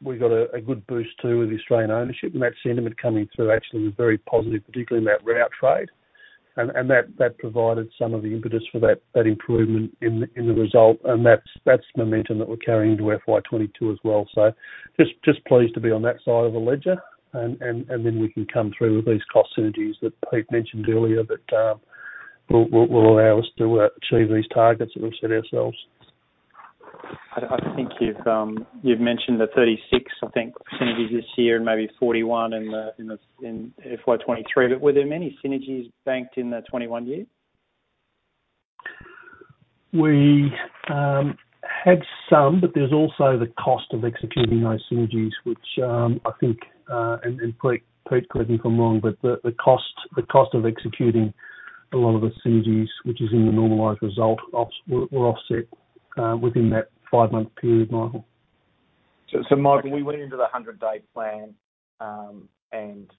we got a good boost, too, with the Australian ownership and that sentiment coming through actually was very positive, particularly in that route trade. That provided some of the impetus for that improvement in the result. That's momentum that we're carrying into FY 2022 as well. Just pleased to be on that side of the ledger. Then we can come through with these cost synergies that Pete mentioned earlier that will allow us to achieve these targets that we've set ourselves.
I think you've mentioned the 36, I think, synergies this year and maybe 41 in FY 2023. Were there many synergies banked in the 2021 year?
We had some, but there's also the cost of executing those synergies, which I think, and Pete correct me if I'm wrong, but the cost of executing a lot of the synergies, which is in the normalized result, were offset within that five-month period, Michael.
Michael, we went into the 100-day plan and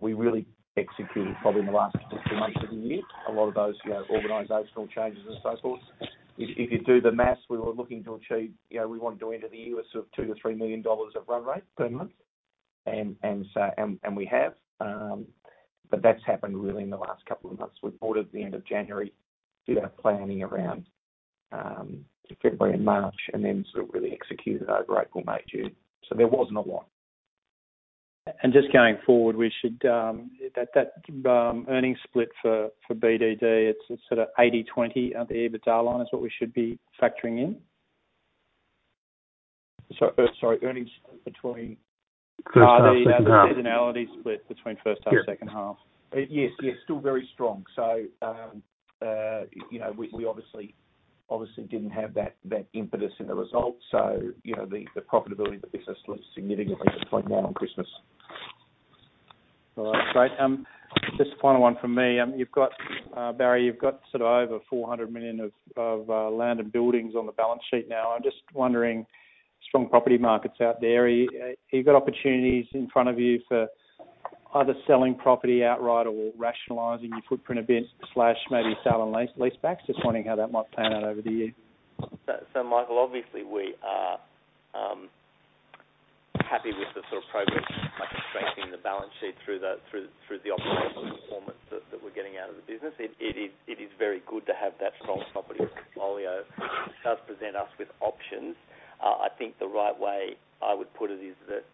we really executed probably in the last two months of the year, a lot of those organizational changes and so forth. If you do the math, we were looking to achieve, we wanted to enter the year with sort of 2 million-3 million dollars of run rate per month, and we have. That's happened really in the last couple of months. We brought it at the end of January, did our planning around February and March, and then sort of really executed over April, May, June. There wasn't a lot.
Just going forward, that earnings split for BDD, it's sort of 80/20 EBITDA line is what we should be factoring in?
First half, second half.
the seasonality split between first half, second half.
Yes. Still very strong. We obviously didn't have that impetus in the result. The profitability of the business looks significantly different now on Christmas.
All right, great. Just the final one from me. Barry, you've got sort of over 400 million of land and buildings on the balance sheet now. I'm just wondering, strong property markets out there, you got opportunities in front of you for either selling property outright or rationalizing your footprint a bit/maybe sell and leasebacks? Just wondering how that might pan out over the year.
Michael, obviously we are happy with the sort of progress we're making, strengthening the balance sheet through the operational performance that we're getting out of the business. It is very good to have that strong property portfolio. It does present us with options. I think the right way I would put it is that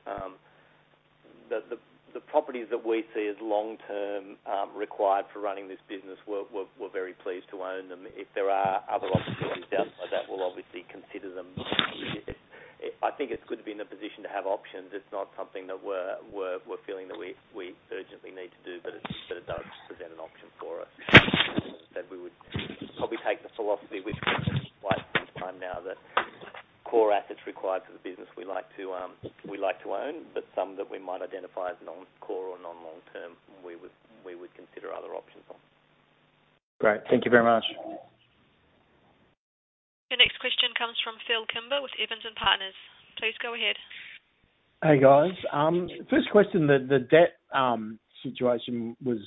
the properties that we see as long-term required for running this business, we're very pleased to own them. If there are other opportunities out there, that we'll obviously consider them. I think it's good to be in a position to have options. It's not something that we're feeling that we urgently need to do, but it does present an option for us. As I said, we would probably take the philosophy we've taken for quite some time now that core assets required for the business we like to own, but some that we might identify as non-core or non-long-term, we would consider other options on.
Great. Thank you very much.
Please go ahead.
Hey, guys. First question, the debt situation was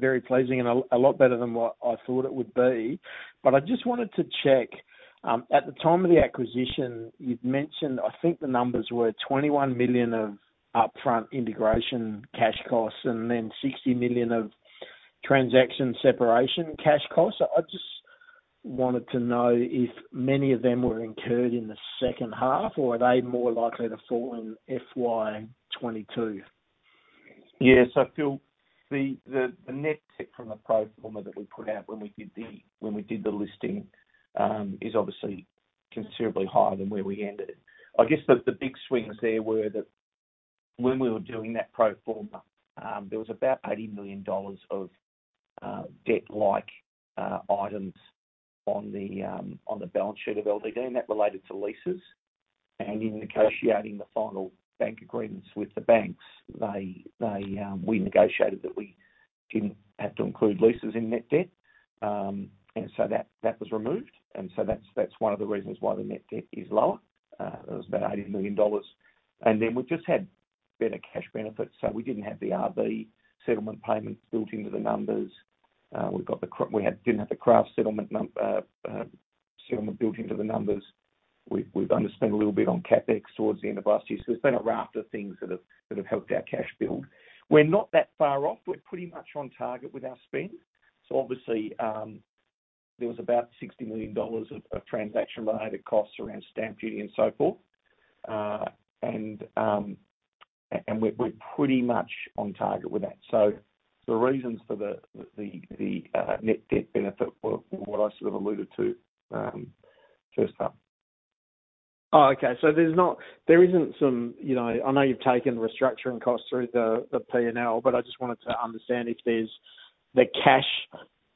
very pleasing and a lot better than what I thought it would be. I just wanted to check, at the time of the acquisition, you'd mentioned, I think the numbers were 21 million of upfront integration cash costs and then 60 million of transaction separation cash costs. I just wanted to know if many of them were incurred in the second half, or are they more likely to fall in FY 2022?
Yes, Phil, the net debt from the pro forma that we put out when we did the listing is obviously considerably higher than where we ended it. I guess that the big swings there were that when we were doing that pro forma, there was about 80 million dollars of debt-like items on the balance sheet of LDD, and that related to leases. In negotiating the final bank agreements with the banks, we negotiated that we didn't have to include leases in net debt. That was removed. That's one of the reasons why the net debt is lower. It was about 80 million dollars. We've just had better cash benefits. We didn't have the RB settlement payments built into the numbers. We didn't have the Kraft settlement built into the numbers. We've underspent a little bit on CapEx towards the end of last year. There's been a raft of things that have helped our cash build. We're not that far off. We're pretty much on target with our spend. Obviously, there was about 60 million dollars of transaction-related costs around stamp duty and so forth. We're pretty much on target with that. The reasons for the net debt benefit were what I sort of alluded to first time.
Oh, okay. I know you've taken restructuring costs through the P&L, but I just wanted to understand if there's the cash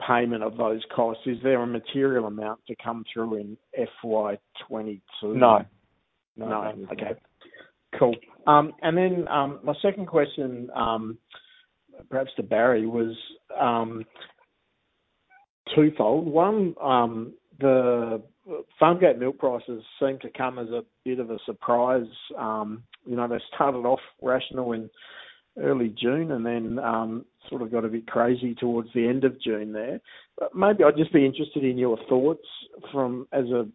payment of those costs. Is there a material amount to come through in FY 2022?
No.
No. Okay. Cool. My second question, perhaps to Barry, was twofold. One, the farmgate milk prices seem to come as a bit of a surprise. They started off rational in early June and then sort of got a bit crazy towards the end of June there. Maybe I'd just be interested in your thoughts from, as a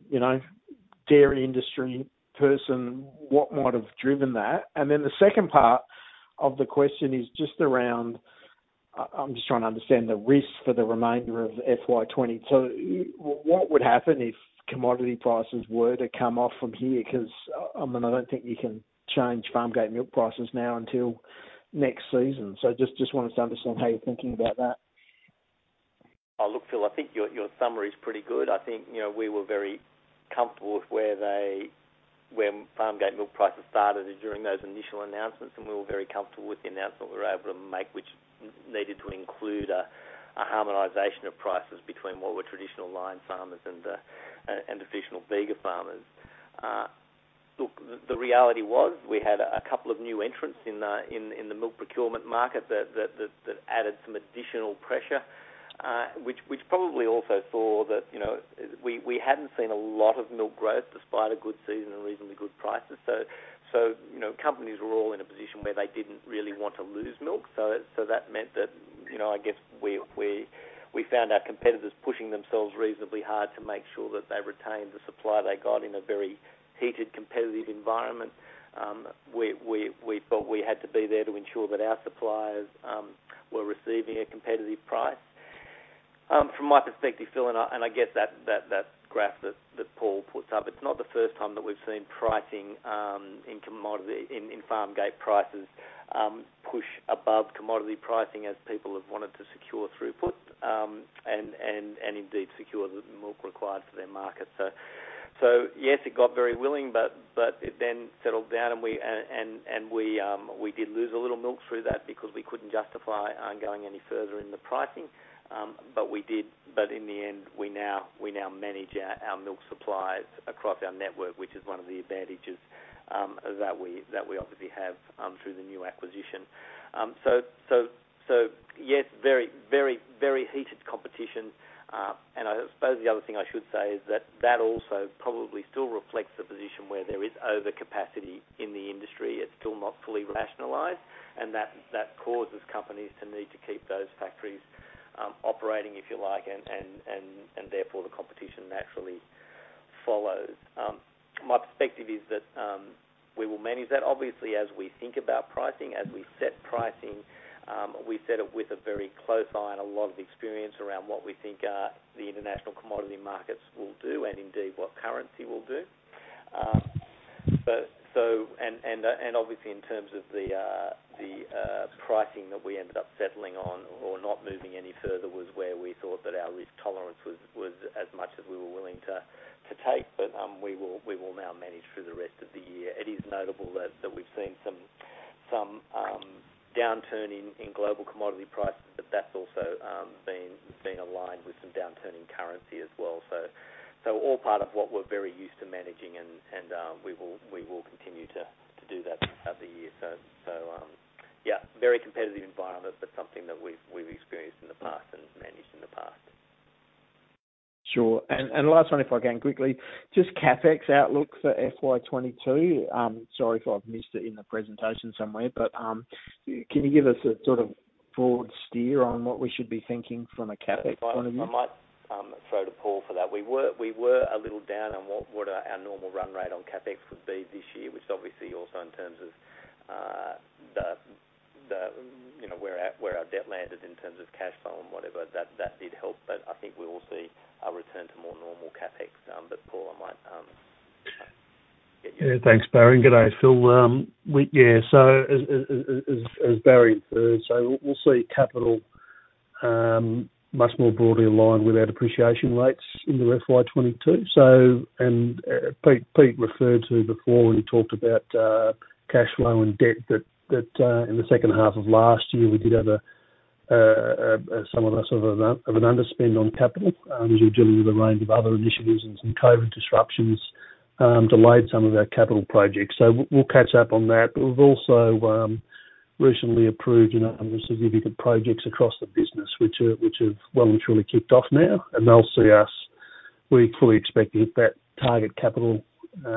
dairy industry person, what might have driven that. The second part of the question is just around, I'm just trying to understand the risk for the remainder of FY 2022. What would happen if commodity prices were to come off from here? Because, I mean, I don't think you can change farmgate milk prices now until next season. Just wanted to understand how you're thinking about that.
Oh, look, Phil, I think your summary is pretty good. I think, we were very comfortable with where farmgate milk prices started during those initial announcements, and we were very comfortable with the announcement we were able to make, which needed to include a harmonization of prices between what were traditional Lion farmers and official Bega farmers. Look, the reality was we had 2 new entrants in the milk procurement market that added some additional pressure, which probably also saw that we hadn't seen a lot of milk growth despite a good season and reasonably good prices. Companies were all in a position where they didn't really want to lose milk. That meant that, I guess we found our competitors pushing themselves reasonably hard to make sure that they retained the supply they got in a very heated, competitive environment. We felt we had to be there to ensure that our suppliers were receiving a competitive price. From my perspective, Phil, I get that graph that Paul puts up, it's not the first time that we've seen pricing in farmgate prices push above commodity pricing as people have wanted to secure throughput, indeed secure the milk required for their market. Yes, it got very willing, it then settled down, we did lose a little milk through that because we couldn't justify ongoing any further in the pricing. In the end, we now manage our milk supplies across our network, which is one of the advantages that we obviously have through the new acquisition. Yes, very heated competition. I suppose the other thing I should say is that that also probably still reflects the position where there is overcapacity in the industry. It's still not fully rationalized, and that causes companies to need to keep those factories operating, if you like, and therefore the competition naturally follows. My perspective is that we will manage that. Obviously, as we think about pricing, as we set pricing, we set it with a very close eye and a lot of experience around what we think the international commodity markets will do and indeed what currency will do. Obviously, in terms of the pricing that we ended up settling on or not moving any further was where we thought that our risk tolerance was as much as we were willing to take. We will now manage through the rest of the year. It is notable that we've seen some downturn in global commodity prices, but that's also been aligned with some downturn in currency as well. All part of what we're very used to managing, and we will continue to do that throughout the year. Yeah, very competitive environment, but something that we've experienced in the past and managed in the past.
Sure. Last one, if I can quickly, just CapEx outlook for FY 2022. Sorry if I've missed it in the presentation somewhere, but can you give us a broad steer on what we should be thinking from a CapEx point of view?
I might throw to Paul for that. We were a little down on what our normal run rate on CapEx would be this year, which obviously also in terms of where our debt landed in terms of cash flow and whatever, that did help. I think we will see a return to more normal CapEx. Paul.
Yeah, thanks, Barry. G'day, Phil. As Barry Irvin inferred, we'll see capital much more broadly aligned with our depreciation rates into FY 2022. Pete referred to before when he talked about cash flow and debt that, in the second half of last year, we did have a somewhat sort of an underspend on capital, as we were dealing with a range of other initiatives and some COVID-19 disruptions delayed some of our capital projects. We'll catch up on that. We've also recently approved a number of significant projects across the business, which have well and truly kicked off now, and we fully expect to hit that target capital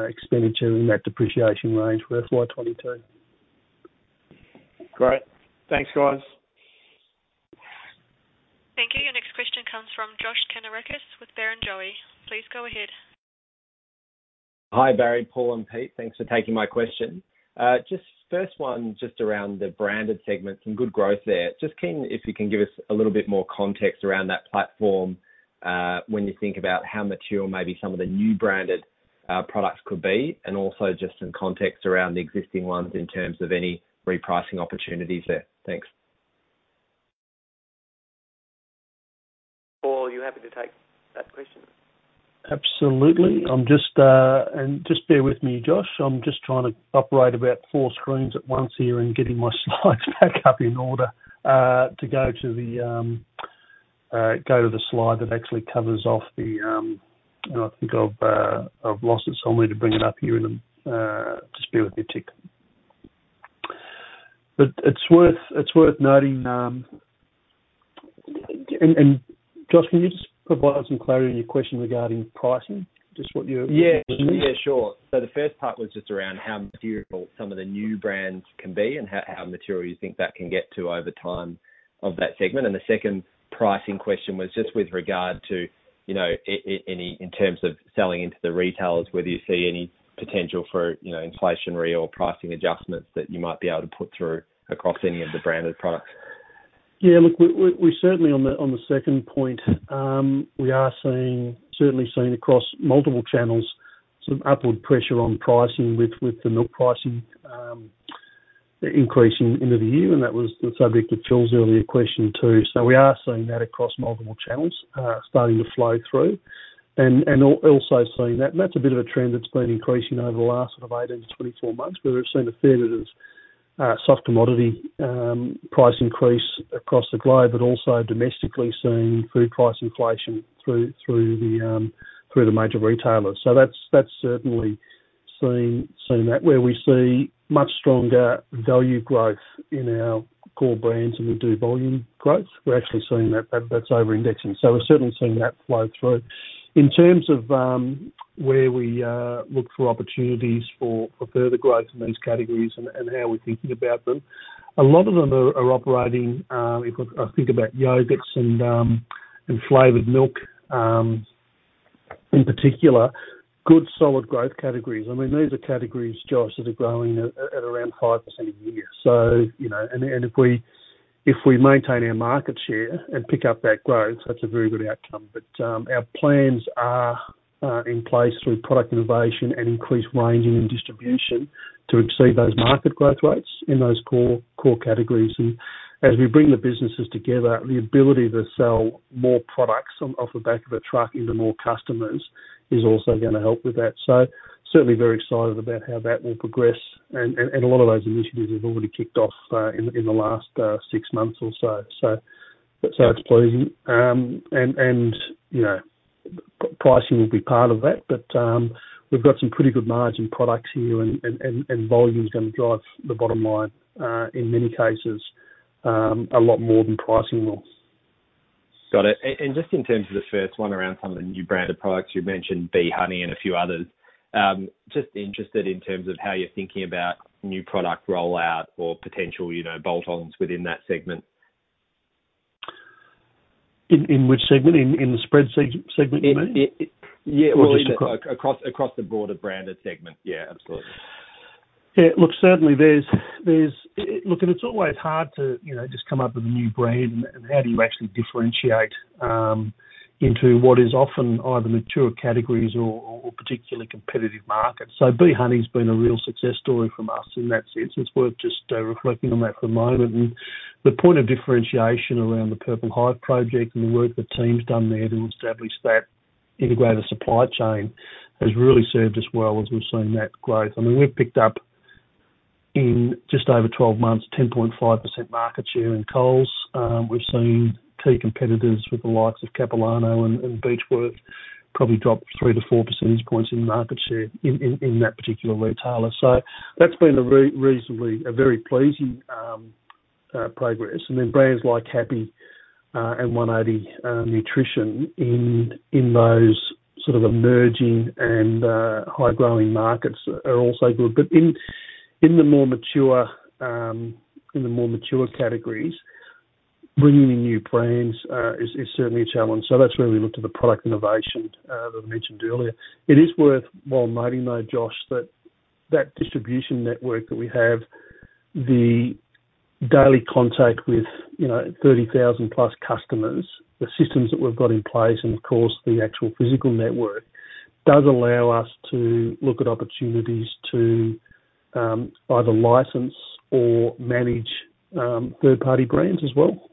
expenditure in that depreciation range for FY 2022.
Great. Thanks, guys.
Thank you. Your next question comes from Josh Kannourakis with Barrenjoey. Please go ahead.
Hi, Barry, Paul, and Pete. Thanks for taking my question. First one, just around the branded segment, some good growth there. Keen if you can give us a little bit more context around that platform, when you think about how mature maybe some of the new branded products could be, also just some context around the existing ones in terms of any repricing opportunities there. Thanks.
Paul, are you happy to take that question?
Absolutely. Just bear with me, Josh. I am just trying to operate about four screens at once here and getting my slides back up in order, to go to the slide that actually covers off the I think I have lost it somewhere to bring it up here in a Just bear with me a tick. It is worth noting. Josh, can you just provide some clarity on your question regarding pricing? Just what you are?
Yeah. Sure. The first part was just around how material some of the new brands can be and how material you think that can get to over time of that segment. The second pricing question was just with regard to, in terms of selling into the retailers, whether you see any potential for inflationary or pricing adjustments that you might be able to put through across any of the branded products.
We're certainly on the second point. We are certainly seeing across multiple channels some upward pressure on pricing with the milk pricing increasing into the year, and that was the subject of Phil's earlier question, too. We are seeing that across multiple channels starting to flow through. Also seeing that, and that's a bit of a trend that's been increasing over the last sort of 18-24 months, where we've seen a fair bit of soft commodity price increase across the globe, but also domestically seeing food price inflation through the major retailers. That's certainly seen that where we see much stronger value growth in our core brands than we do volume growth. We're actually seeing that's over-indexing. We're certainly seeing that flow through. In terms of where we look for opportunities for further growth in these categories and how we're thinking about them, a lot of them are operating, if I think about yogurts and flavored milk in particular, good solid growth categories. I mean, these are categories, Josh Kannourakis, that are growing at around 5% a year. If we maintain our market share and pick up that growth, that's a very good outcome. Our plans are in place through product innovation and increased ranging and distribution to exceed those market growth rates in those core categories. As we bring the businesses together, the ability to sell more products off the back of a truck into more customers is also going to help with that. Certainly very excited about how that will progress and a lot of those initiatives have already kicked off in the last six months or so. It's pleasing. Pricing will be part of that, but we've got some pretty good margin products here and volume is going to drive the bottom line, in many cases, a lot more than pricing will.
Got it. Just in terms of the first one around some of the new branded products you mentioned, B honey and a few others, just interested in terms of how you're thinking about new product rollout or potential bolt-ons within that segment?
In which segment? In the spread segment, you mean?
Yeah. Well, across the broader branded segment. Yeah, absolutely.
Yeah, look, certainly. Look, it's always hard to just come up with a new brand and how do you actually differentiate into what is often either mature categories or particularly competitive markets. B honey's been a real success story from us in that sense. It's worth just reflecting on that for a moment. The point of differentiation around the Purple Hive Project and the work the team's done there to establish that integrated supply chain has really served us well as we've seen that growth. I mean, we've picked up in just over 12 months, 10.5% market share in Coles. We've seen key competitors with the likes of Capilano and Beechworth probably drop 3 percentage points to 4 percentage points in market share in that particular retailer. That's been a very pleasing progress. Brands like Happi and 180 Nutrition in those sort of emerging and high-growing markets are also good. In the more mature categories, bringing in new brands is certainly a challenge. That's where we look to the product innovation that I mentioned earlier. It is worthwhile noting, though, Josh, that that distribution network that we have, the daily contact with 30,000+ customers, the systems that we've got in place, and of course, the actual physical network, does allow us to look at opportunities to either license or manage third-party brands as well,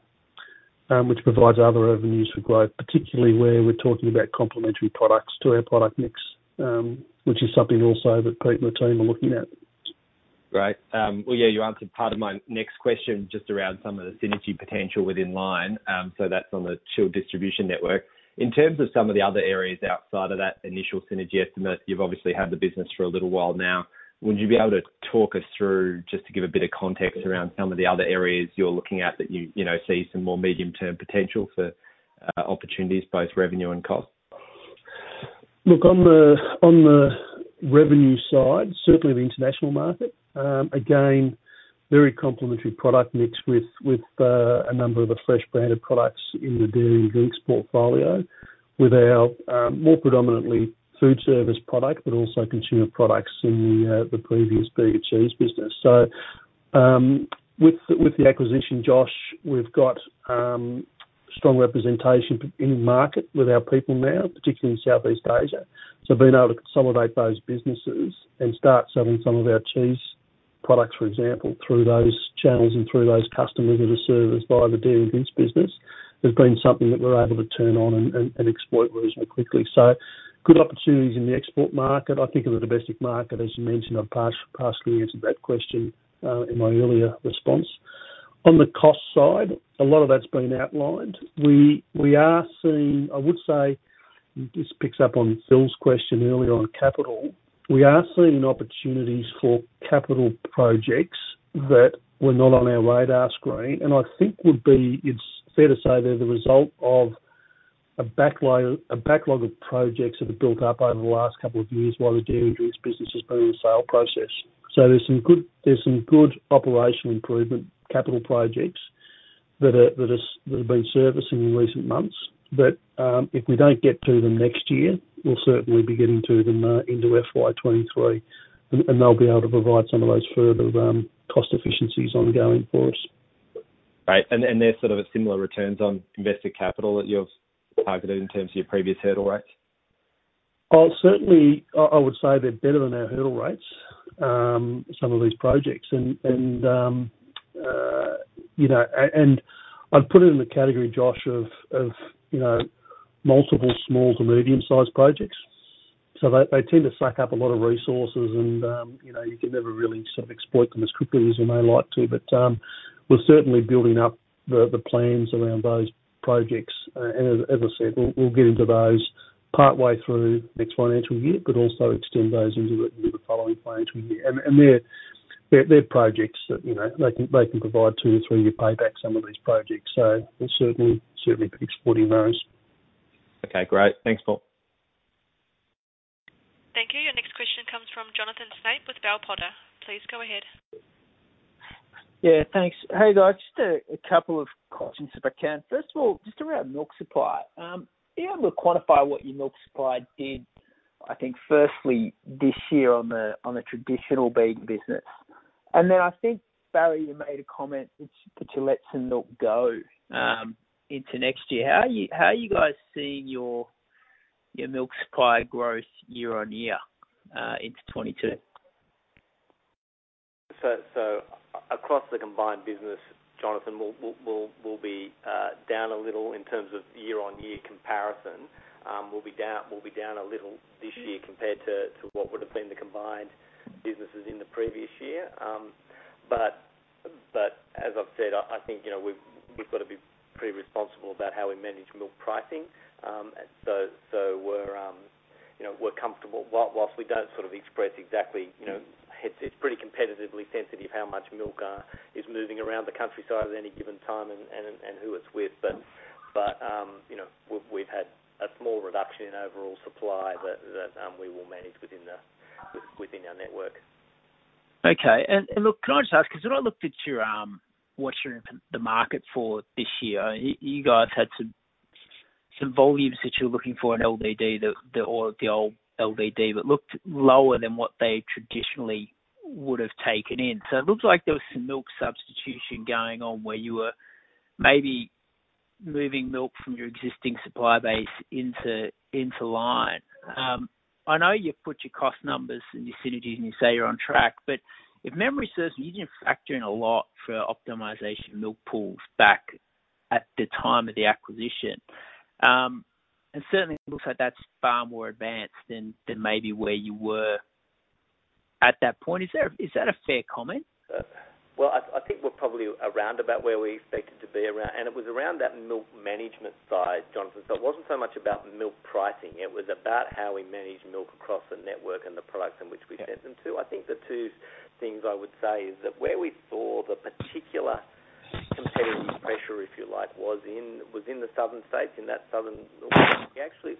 which provides other avenues for growth, particularly where we're talking about complementary products to our product mix, which is something also that Pete and the team are looking at.
Great. Well, yeah, you answered part of my next question just around some of the synergy potential within Lion. That's on the chilled distribution network. In terms of some of the other areas outside of that initial synergy estimate, you've obviously had the business for a little while now. Would you be able to talk us through, just to give a bit of context, around some of the other areas you're looking at that you see some more medium-term potential for opportunities, both revenue and cost?
Look, on the revenue side, certainly the international market, again, very complementary product mix with a number of the fresh branded products in the Dairy and Drinks portfolio with our more predominantly food service product, but also consumer products in the previous Bega Cheese business. With the acquisition, Josh, we've got strong representation in market with our people now, particularly in Southeast Asia. Being able to consolidate those businesses and start selling some of our cheese products, for example, through those channels and through those customers that are serviced by the Dairy and Drinks business, has been something that we're able to turn on and exploit reasonably quickly. Good opportunities in the export market. I think in the domestic market, as you mentioned, I've partially answered that question in my earlier response. On the cost side, a lot of that's been outlined. We are seeing, I would say, this picks up on Phil's question earlier on capital. We are seeing opportunities for capital projects that were not on our radar screen, and I think would be, it's fair to say, they're the result of a backlog of projects that have built up over the last couple of years while the dairy drinks business has been in the sale process. There's some good operational improvement capital projects that have been servicing in recent months. If we don't get to them next year, we'll certainly be getting to them into FY 2023, and they'll be able to provide some of those further cost efficiencies ongoing for us.
Great. They're sort of similar returns on invested capital that you've targeted in terms of your previous hurdle rates?
Certainly, I would say they're better than our hurdle rates, some of these projects. I'd put it in the category, Josh, of multiple small to medium-sized projects. They tend to suck up a lot of resources, and you can never really sort of exploit them as quickly as you may like to. We're certainly building up the plans around those projects. As I said, we'll get into those partway through next financial year, but also extend those into the following financial year. They're projects that they can provide two to three-year payback, some of these projects, we'll certainly be exploiting those.
Okay, great. Thanks, Paul.
Thank you. Your next question comes from Jonathan Snape with Bell Potter. Please go ahead.
Yeah, thanks. Hey, guys, just a couple of questions, if I can. First of all, just around milk supply. Are you able to quantify what your milk supply did, I think firstly this year on the traditional Bega business? And then I think, Barry, you made a comment that you let some milk go into next year. How are you guys seeing your milk supply growth year-on-year into FY 2022?
Across the combined business, Jonathan, we'll be down a little in terms of year-on-year comparison. We'll be down a little this year compared to what would've been the combined businesses in the previous year. As I've said, I think, we've got to be pretty responsible about how we manage milk pricing. We're comfortable. Whilst we don't sort of express exactly, it's pretty competitively sensitive how much milk is moving around the countryside at any given time and who it's with. We've had a small reduction in overall supply that we will manage within our network.
Okay. Look, can I just ask, because when I looked at what you're in the market for this year, you guys had some volumes that you were looking for in LDD, or the old LDD, but looked lower than what they traditionally would have taken in. So it looked like there was some milk substitution going on where you were maybe moving milk from your existing supply base into Lion. I know you put your cost numbers and your synergies and you say you're on track, but if memory serves me, you didn't factor in a lot for optimization milk pools back at the time of the acquisition. And certainly it looks like that's far more advanced than maybe where you were at that point. Is that a fair comment?
I think we're probably around about where we expected to be. It was around that milk management side, Jonathan. It wasn't so much about milk pricing, it was about how we manage milk across the network and the products in which we sell them to. I think the two things I would say is that where we saw the particular competitive pressure, if you like, was in the southern states, in that southern milk.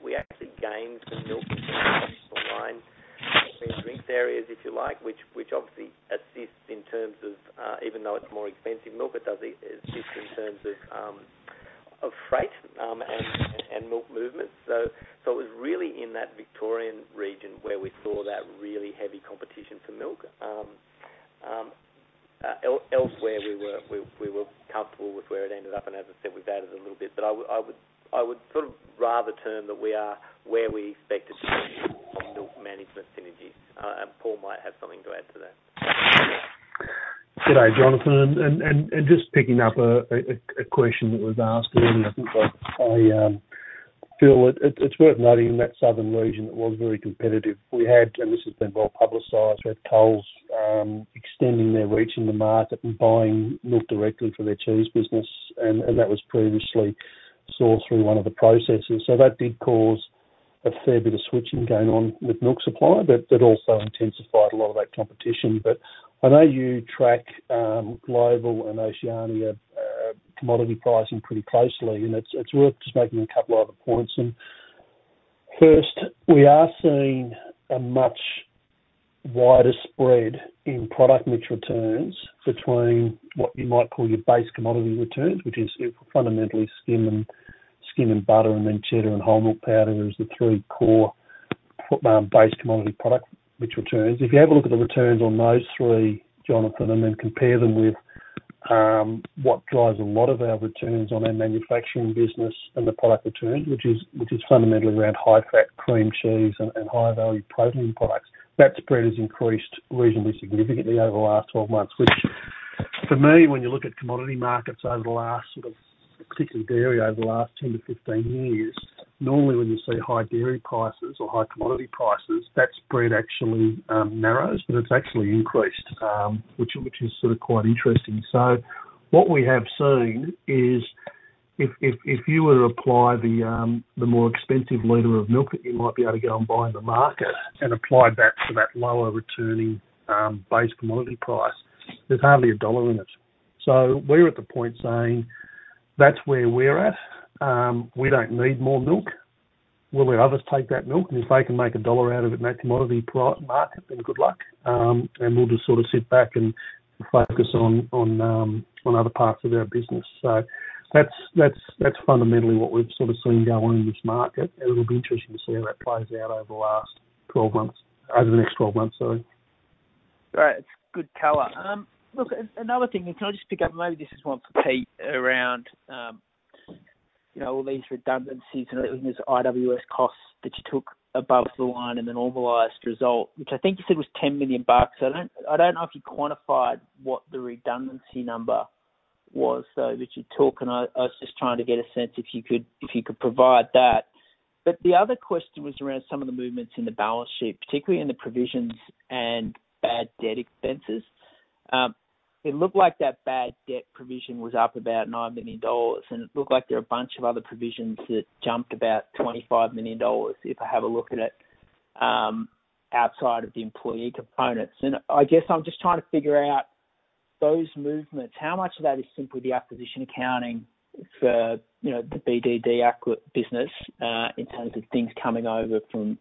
We actually gained some milk Lion Dairy and Drinks areas, if you like, which obviously assists in terms of, even though it's more expensive milk, it does assist in terms of freight and milk movements. It was really in that Victorian region where we saw that really heavy competition for milk. Elsewhere, we were comfortable with where it ended up, and as I said, we've added a little bit. I would sort of rather term that we are where we expected to be on milk management synergies. Paul might have something to add to that.
G'day, Jonathan. Just picking up a question that was asked earlier, I feel it's worth noting in that southern region, it was very competitive. This has been well-publicized, we had Coles extending their reach in the market and buying milk directly for their cheese business, and that was previously sourced through one of the processors. That did cause a fair bit of switching going on with milk supply, but it also intensified a lot of that competition. I know you track global and Oceania commodity pricing pretty closely, and it's worth just making two other points. First, we are seeing a much wider spread in product mix returns between what you might call your base commodity returns, which is fundamentally skim and butter and then cheddar and whole milk powder as the three core base commodity product mix returns. If you have a look at the returns on those three, Jonathan, then compare them with what drives a lot of our returns on our manufacturing business and the product returns, which is fundamentally around high-fat cream cheese and high-value protein products. That spread has increased reasonably significantly over the last 12 months, which for me, when you look at commodity markets over the last, particularly dairy, over the last 10-15 years, normally when you see high dairy prices or high commodity prices, that spread actually narrows, but it's actually increased, which is quite interesting. What we have seen is if you were to apply the more expensive liter of milk that you might be able to go and buy in the market and apply that to that lower-returning base commodity price, there's hardly a dollar in it. We're at the point saying, "That's where we're at. We don't need more milk. We'll let others take that milk, and if they can make AUD 1 out of it in that commodity price market, then good luck." We'll just sort of sit back and focus on other parts of our business. That's fundamentally what we've sort of seen go on in this market, and it'll be interesting to see how that plays out over the next 12 months.
Great. It is good color. Look, another thing, can I just pick up, maybe this is one for Pete, around all these redundancies and this IWS cost that you took above the line in the normalized result, which I think you said was 10 million bucks. I don't know if you quantified what the redundancy number was, though, that you took. I was just trying to get a sense if you could provide that. The other question was around some of the movements in the balance sheet, particularly in the provisions and bad debt expenses. It looked like that bad debt provision was up about 9 million dollars. It looked like there were a bunch of other provisions that jumped about 25 million dollars if I have a look at it outside of the employee components. I guess I'm just trying to figure out those movements. How much of that is simply the acquisition accounting for the BDD acquired business in terms of things coming over from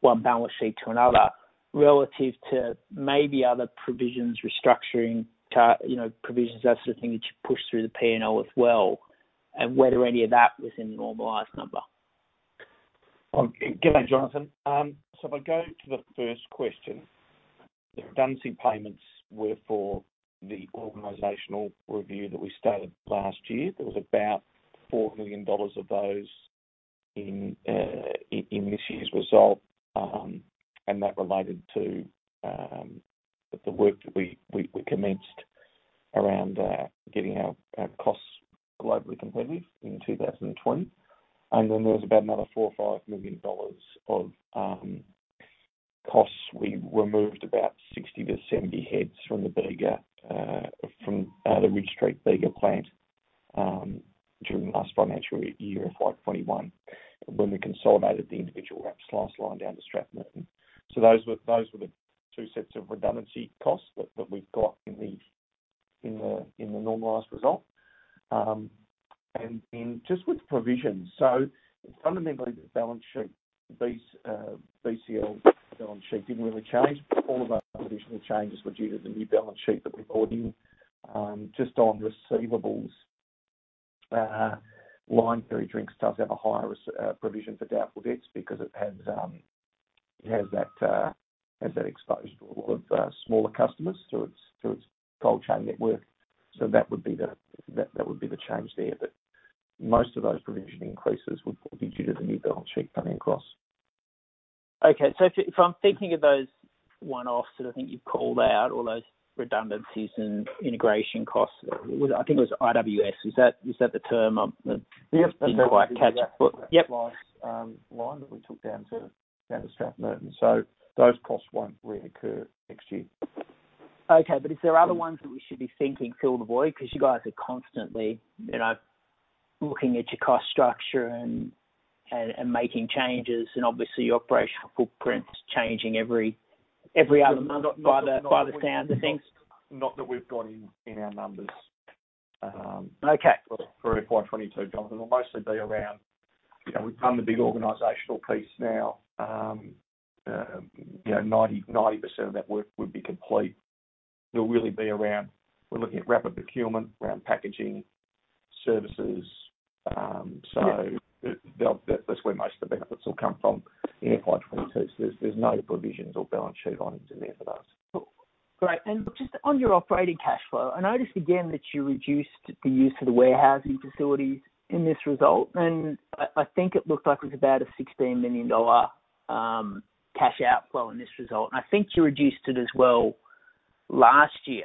one balance sheet to another relative to maybe other provisions, restructuring provisions, that sort of thing, that you push through the P&L as well, and whether any of that was in the normalized number?
G'day, Jonathan. If I go to the first question, the redundancy payments were for the organizational review that we started last year. There was about 4 million dollars of those in this year's result, that related to the work that we commenced around getting our costs globally competitive in 2020. There was about another 4 million-5 million dollars of costs. We removed about 60-70 heads from the Ridge Street Bega plant during the last financial year, FY 2021, when we consolidated the individually wrapped slices line down to Strathmerton. Those were the two sets of redundancy costs that we've got in the normalized result. Just with provisions, fundamentally, the BCL balance sheet didn't really change. All of those additional changes were due to the new balance sheet that we brought in. Just on receivables, Lion Dairy & Drinks does have a higher provision for doubtful debts because it has that exposure to a lot of smaller customers through its cold chain network. That would be the change there, but most of those provision increases would be due to the new balance sheet coming across.
Okay. If I'm thinking of those one-offs that I think you've called out, all those redundancies and integration costs, I think it was IWS. Is that the term?
Yep.
Didn't quite catch, but yep.
That slice line that we took down to Strathmerton. Those costs won't reoccur next year.
Okay, is there other ones that we should be thinking fill the void? You guys are constantly, you know looking at your cost structure and making changes, obviously your operational footprint is changing every other month by the sounds of things.
Not that we've got in our numbers.
Okay.
For FY 2022, Jonathan, will mostly be around, we've done the big organizational piece now. 90% of that work would be complete. It'll really be around, we're looking at rapid procurement around packaging services.
Yeah.
That's where most of the benefits will come from in FY 2022. There's no provisions or balance sheet items in there for those.
Cool. Great. Just on your operating cash flow, I noticed again that you reduced the use of the warehousing facilities in this result, and I think it looked like it was about a 16 million dollar cash outflow in this result. I think you reduced it as well last year.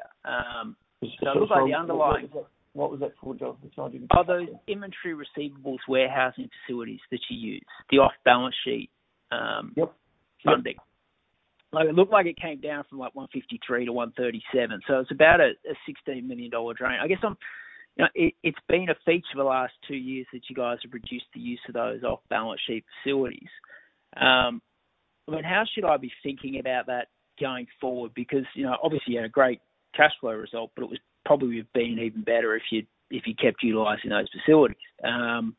What was that for, Jonathan? Sorry, I didn't catch that.
Oh, those inventory receivables warehousing facilities that you use, the off-balance sheet.
Yep
funding. It looked like it came down from 153 to 137, so it's about a 16 million dollar drain. It's been a feature for the last two years that you guys have reduced the use of those off-balance sheet facilities. How should I be thinking about that going forward? Obviously you had a great cash flow result, but it would probably have been even better if you'd kept utilizing those facilities. I'm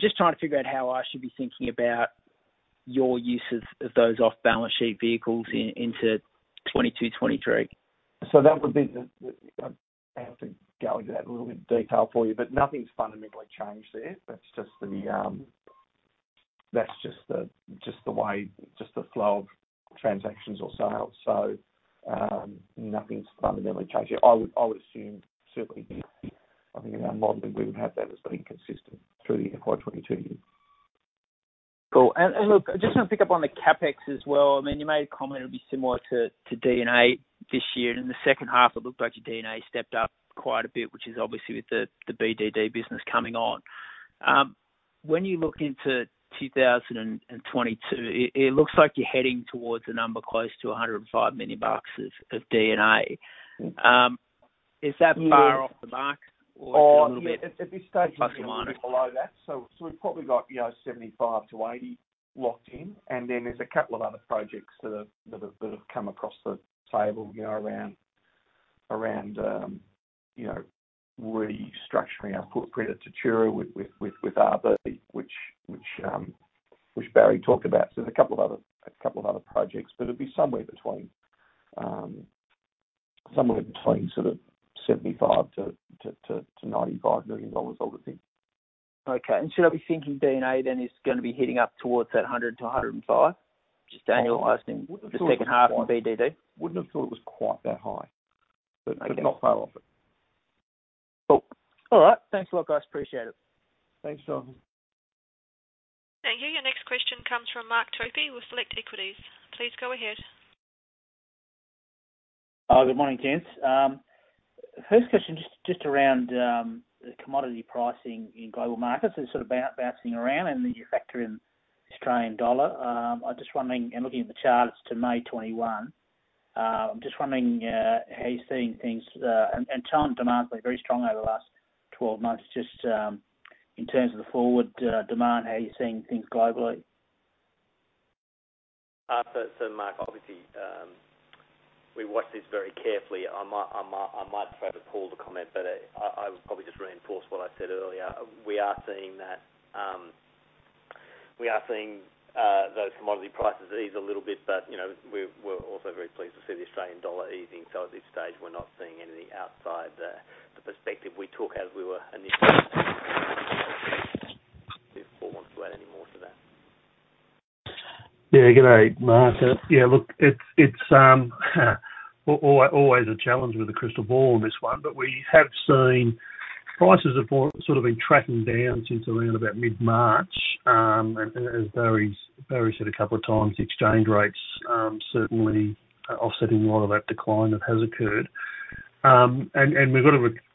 just trying to figure out how I should be thinking about your use of those off-balance sheet vehicles into 2022, 2023.
I have to go into that in a little bit of detail for you, but nothing's fundamentally changed there. That's just the flow of transactions or sales. Nothing's fundamentally changed. I would assume, certainly, I think in our modeling, we would have that as being consistent through the FY 2022 year.
Cool. Look, I just want to pick up on the CapEx as well. You made a comment it would be similar to D&A this year, and in the second half it looked like your D&A stepped up quite a bit, which is obviously with the BDD business coming on. When you look into 2022, it looks like you're heading towards a number close to 105 million bucks of D&A. Is that far off the mark?
Oh, yeah. At this stage.
±
a little bit below that. We've probably got 75 million-80 million locked in, there's a couple of other projects that have come across the table around restructuring our footprint at Tatura with RB, which Barry talked about. There's a couple of other projects, but it'd be somewhere between sort of 75 million-95 million dollars, I would think.
Okay. Should I be thinking D&A then is going to be heading up towards that 100-105, just annualizing the second half and BDD?
Wouldn't have thought it was quite that high.
Okay.
Not far off it.
Cool. All right. Thanks a lot, guys. Appreciate it.
Thanks, Jonathan.
Thank you. Your next question comes from Mark Topy with Select Equities. Please go ahead.
Good morning, gents. First question, just around the commodity pricing in global markets. It's sort of bouncing around and then you factor in Australian dollar. I'm looking at the charts to May 2021. I'm just wondering how you're seeing things, and China demand's been very strong over the last 12 months. Just in terms of the forward demand, how are you seeing things globally?
Mark, obviously, we watch this very carefully. I might throw to Paul to comment, but I would probably just reinforce what I said earlier. We are seeing those commodity prices ease a little bit, but we're also very pleased to see the Australian dollar easing. At this stage, we're not seeing anything outside the perspective we took as we were initially if Paul wants to add any more to that.
Good day, Mark. Look, it's always a challenge with a crystal ball on this one. We have seen prices have sort of been tracking down since around about mid-March, and as Barry said a couple of times, exchange rates certainly offsetting a lot of that decline that has occurred.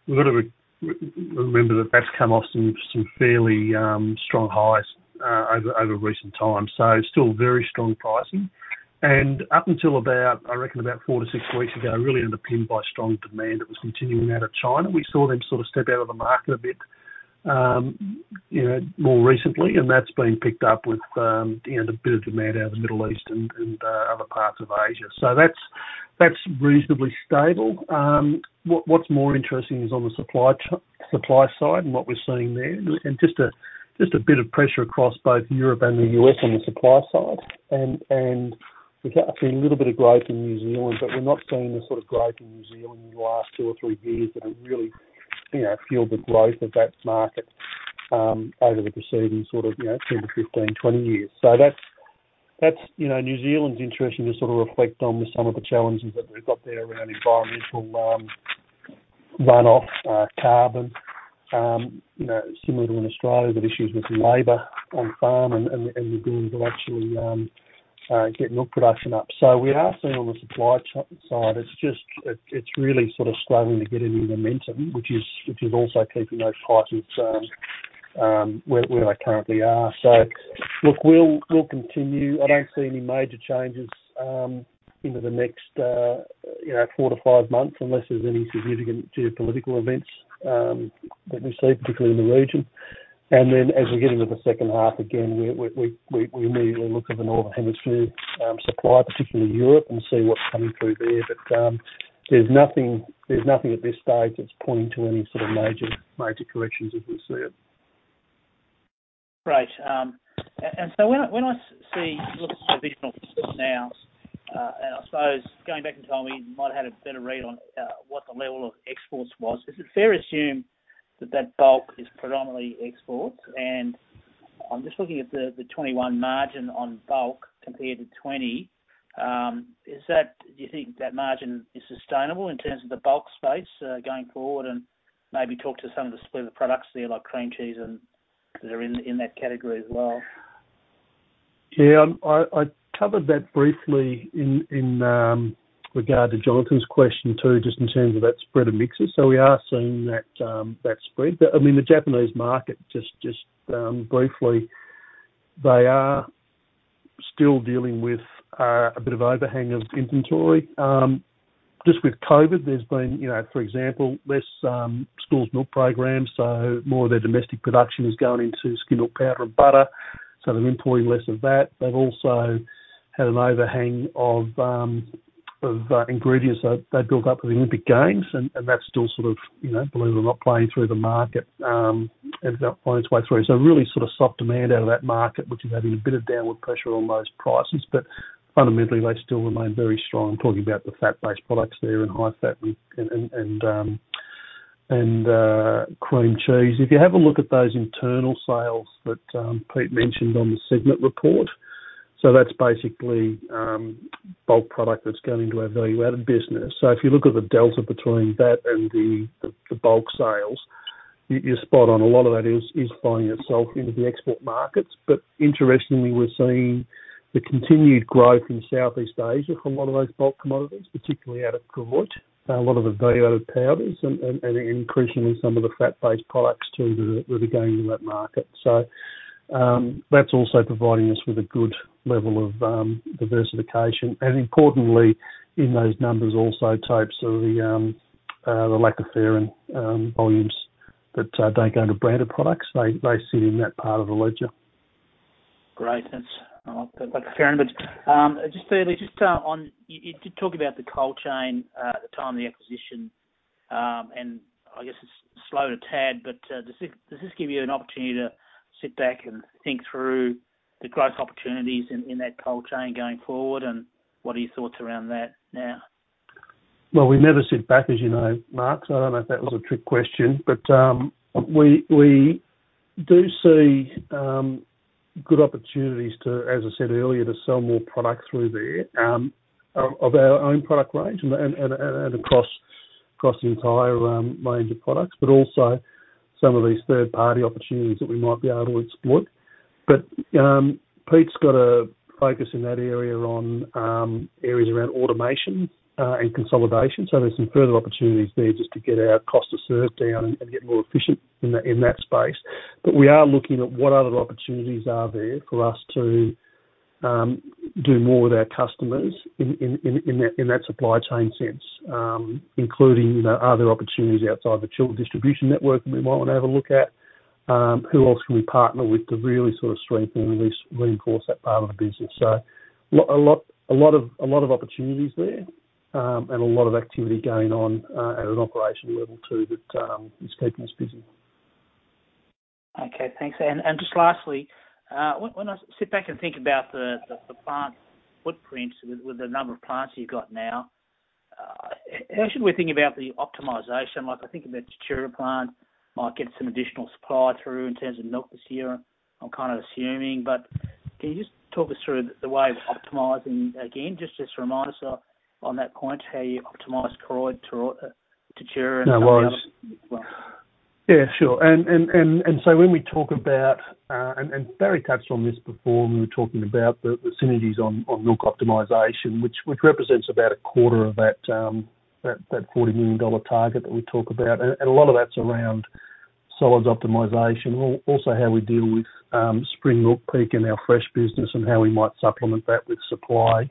We've got to remember that that's come off some fairly strong highs over recent times, so still very strong pricing. Up until about, I reckon about four to six weeks ago, really underpinned by strong demand that was continuing out of China. We saw them sort of step out of the market a bit more recently, and that's been picked up with a bit of demand out of the Middle East and other parts of Asia. That's reasonably stable. What's more interesting is on the supply side what we're seeing there, just a bit of pressure across both Europe and the U.S. on the supply side. We've got actually a little bit of growth in New Zealand, but we're not seeing the sort of growth in New Zealand in the last two or three years that have really fueled the growth of that market over the preceding sort of 10-15, 20 years. That's New Zealand's interesting to sort of reflect on some of the challenges that they've got there around environmental runoff, carbon. Similar to in Australia, they've got issues with labor on farm and the ability to actually get milk production up. We are seeing on the supply side, it's just really sort of struggling to get any momentum, which is also keeping those prices where they currently are. Look, we'll continue. I don't see any major changes into the next four to five months unless there's any significant geopolitical events that we see, particularly in the region. Then as we get into the second half, again, we immediately look at the northern hemisphere supply, particularly Europe, and see what's coming through there. There's nothing at this stage that's pointing to any sort of major corrections as we see it.
Great. When I look at the division now, and I suppose going back in time, we might had a better read on what the level of exports was. Is it fair to assume that bulk is predominantly exports? I'm just looking at the 21 margin on bulk compared to 20. Do you think that margin is sustainable in terms of the bulk space going forward? Maybe talk to some of the split of the products there like cream cheese that are in that category as well.
Yeah, I covered that briefly in regard to Jonathan's question, too, just in terms of that spread of mixes. We are seeing that spread. The Japanese market, just briefly, they are still dealing with a bit of overhang of inventory. Just with COVID, there's been, for example, less schools milk programs, so more of their domestic production is going into skim milk powder and butter, so they're importing less of that. They've also had an overhang of ingredients that built up for the Olympic Games, and that's still, believe it or not, playing through the market, as it finds its way through. Really sort of soft demand out of that market, which is having a bit of downward pressure on those prices. Fundamentally, they still remain very strong. I'm talking about the fat-based products there and high fat and cream cheese. If you have a look at those internal sales that Pete mentioned on the segment report, that's basically bulk product that's going into our value-added business. If you look at the delta between that and the bulk sales, you're spot on. A lot of that is finding itself into the export markets. Interestingly, we're seeing the continued growth in Southeast Asia for a lot of those bulk commodities, particularly out of Koroit, a lot of the value-added powders and increasingly some of the fat-based products, too, that are really going to that market. That's also providing us with a good level of diversification. Importantly, in those numbers also, types of the lactoferrin volumes that don't go into branded products. They sit in that part of the ledger.
Great. That's lactoferrin. Just on, you did talk about the cold chain at the time of the acquisition, and I guess it's slowed a tad, but does this give you an opportunity to sit back and think through the growth opportunities in that cold chain going forward, and what are your thoughts around that now?
We never sit back, as you know, Mark, so I don't know if that was a trick question. We do see good opportunities to, as I said earlier, to sell more product through there, of our own product range and across the entire range of products, but also some of these third-party opportunities that we might be able to exploit. Pete's got a focus in that area on areas around automation and consolidation. There's some further opportunities there just to get our cost to serve down and get more efficient in that space. We are looking at what other opportunities are there for us to do more with our customers in that supply chain sense, including are there opportunities outside the chilled distribution network that we might want to have a look at? Who else can we partner with to really sort of strengthen and reinforce that part of the business? A lot of opportunities there, and a lot of activity going on at an operational level too, that is keeping us busy.
Just lastly, when I sit back and think about the plant footprints with the number of plants you have now, how should we think about the optimization? Like, I think the Tatura plant might get some additional supply through in terms of milk this year, I am kind of assuming. Can you just talk us through the way of optimizing again, just to remind us on that point how you optimize Koroit, Tatura?
No worries.
The other as well.
Yeah, sure. When we talk about, and Barry touched on this before when we were talking about the synergies on milk optimization, which represents about a quarter of that 40 million dollar target that we talk about. A lot of that's around solids optimization, also how we deal with spring milk peak in our fresh business and how we might supplement that with supply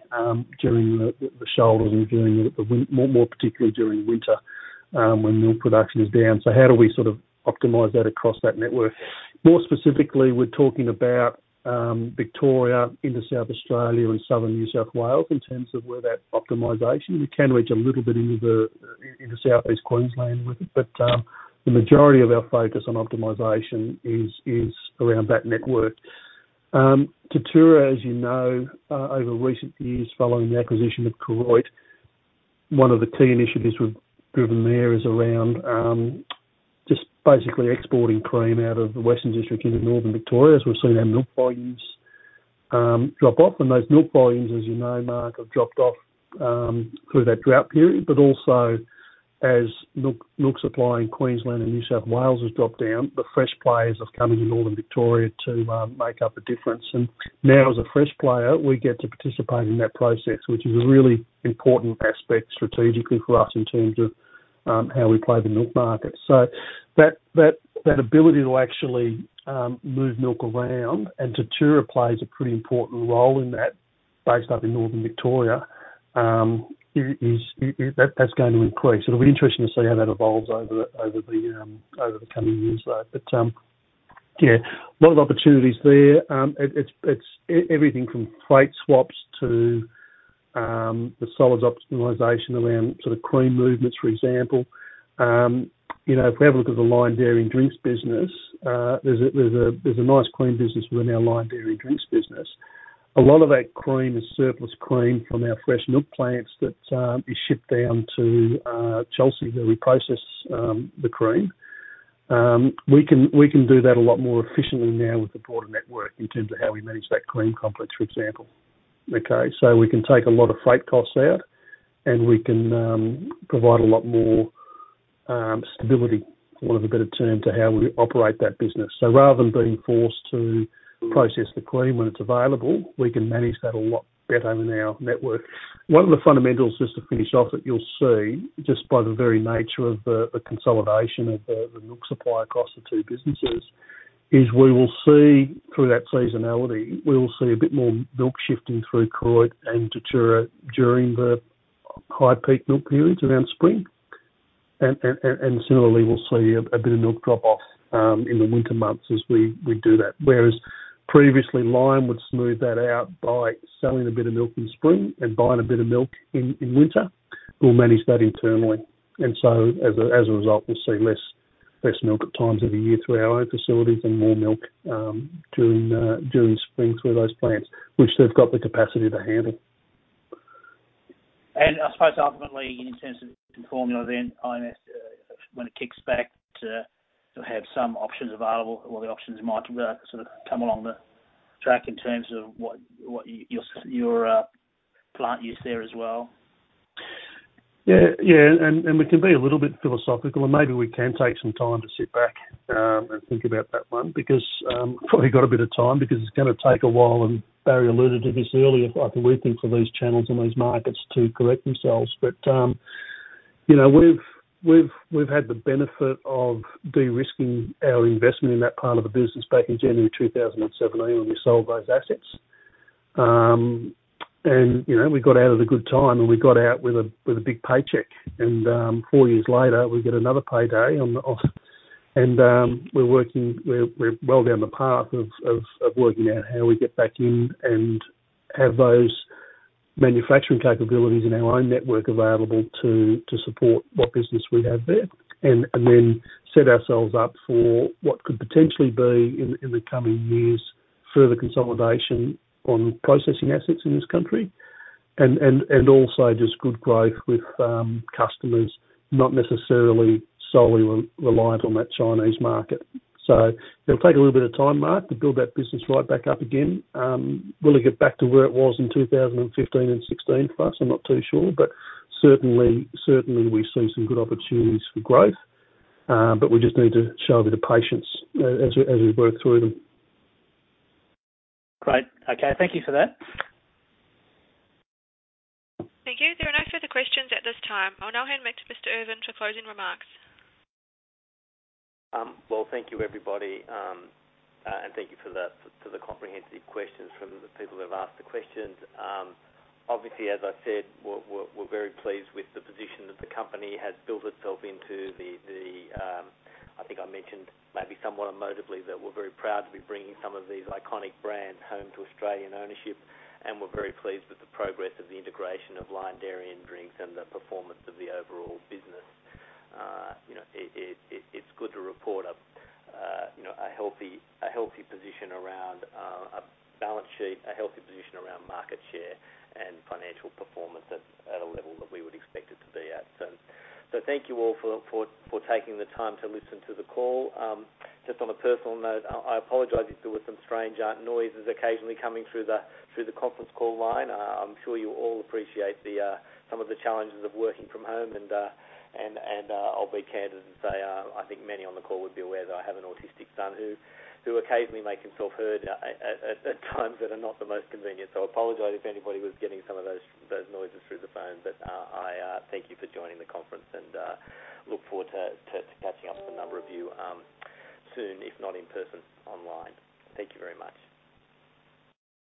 during the shoulder and more particularly during winter, when milk production is down. How do we sort of optimize that across that network? More specifically, we're talking about Victoria into South Australia and southern New South Wales in terms of where that optimization, we can reach a little bit into Southeast Queensland with it, but the majority of our focus on optimization is around that network. Tatura, as you know, over recent years, following the acquisition of Koroit, one of the key initiatives we've driven there is around just basically exporting cream out of the Western District into northern Victoria, as we've seen our milk volumes drop off. Those milk volumes, as you know, Mark, have dropped off through that drought period, but also as milk supply in Queensland and New South Wales has dropped down, the fresh players are coming to northern Victoria to make up the difference. Now as a fresh player, we get to participate in that process, which is a really important aspect strategically for us in terms of how we play the milk market. That ability to actually move milk around, and Tatura plays a pretty important role in that. Based up in Northern Victoria, that's going to increase. It'll be interesting to see how that evolves over the coming years, though. Yeah, a lot of opportunities there. It's everything from freight swaps to the solids optimization around cream movements, for example. If we have a look at the Lion Dairy & Drinks business, there's a nice cream business within our Lion Dairy & Drinks business. A lot of that cream is surplus cream from our fresh milk plants that is shipped down to Chelsea, where we process the cream. We can do that a lot more efficiently now with the broader network in terms of how we manage that cream complex, for example. Okay. We can take a lot of freight costs out, and we can provide a lot more stability, for want of a better term, to how we operate that business. Rather than being forced to process the cream when it's available, we can manage that a lot better within our network. One of the fundamentals, just to finish off, that you'll see, just by the very nature of the consolidation of the milk supply across the two businesses, is we will see, through that seasonality, we will see a bit more milk shifting through Koroit and Tatura during the high peak milk periods around spring. Similarly, we'll see a bit of milk drop-off in the winter months as we do that. Whereas previously, Lion would smooth that out by selling a bit of milk in spring and buying a bit of milk in winter. We'll manage that internally. As a result, we'll see less milk at times of the year through our own facilities and more milk during spring through those plants, which they've got the capacity to handle.
I suppose ultimately, in terms of formula then, [inaudible] when it kicks back to have some options available or the options might sort of come along the track in terms of what your plant use there as well.
Yeah. We can be a little bit philosophical and maybe we can take some time to sit back and think about that one because we've probably got a bit of time, because it's going to take a while, and Barry alluded to this earlier, I believe, for these channels and these markets to correct themselves. We've had the benefit of de-risking our investment in that part of the business back in January 2017, when we sold those assets. Four years later, we get another payday and we're well down the path of working out how we get back in and have those manufacturing capabilities in our own network available to support what business we have there. Then set ourselves up for what could potentially be, in the coming years, further consolidation on processing assets in this country. Also just good growth with customers, not necessarily solely reliant on that Chinese market. It'll take a little bit of time, Mark, to build that business right back up again. Will it get back to where it was in 2015 and 2016 for us? I'm not too sure, but certainly, we see some good opportunities for growth. We just need to show a bit of patience as we work through them.
Great. Okay. Thank you for that.
Thank you. There are no further questions at this time. I will now hand back to Mr. Irvin for closing remarks.
Well, thank you, everybody, and thank you for the comprehensive questions from the people who have asked the questions. Obviously, as I said, we're very pleased with the position that the company has built itself into. I think I mentioned maybe somewhat emotively that we're very proud to be bringing some of these iconic brands home to Australian ownership, and we're very pleased with the progress of the integration of Lion Dairy & Drinks and the performance of the overall business. It's good to report a healthy position around our balance sheet, a healthy position around market share, and financial performance at a level that we would expect it to be at. Thank you all for taking the time to listen to the call. Just on a personal note, I apologize if there were some strange noises occasionally coming through the conference call line. I'm sure you all appreciate some of the challenges of working from home. I'll be candid and say, I think many on the call would be aware that I have an autistic son who occasionally makes himself heard at times that are not the most convenient. I apologize if anybody was getting some of those noises through the phone. I thank you for joining the conference and look forward to catching up with a number of you soon, if not in person, online. Thank you very much.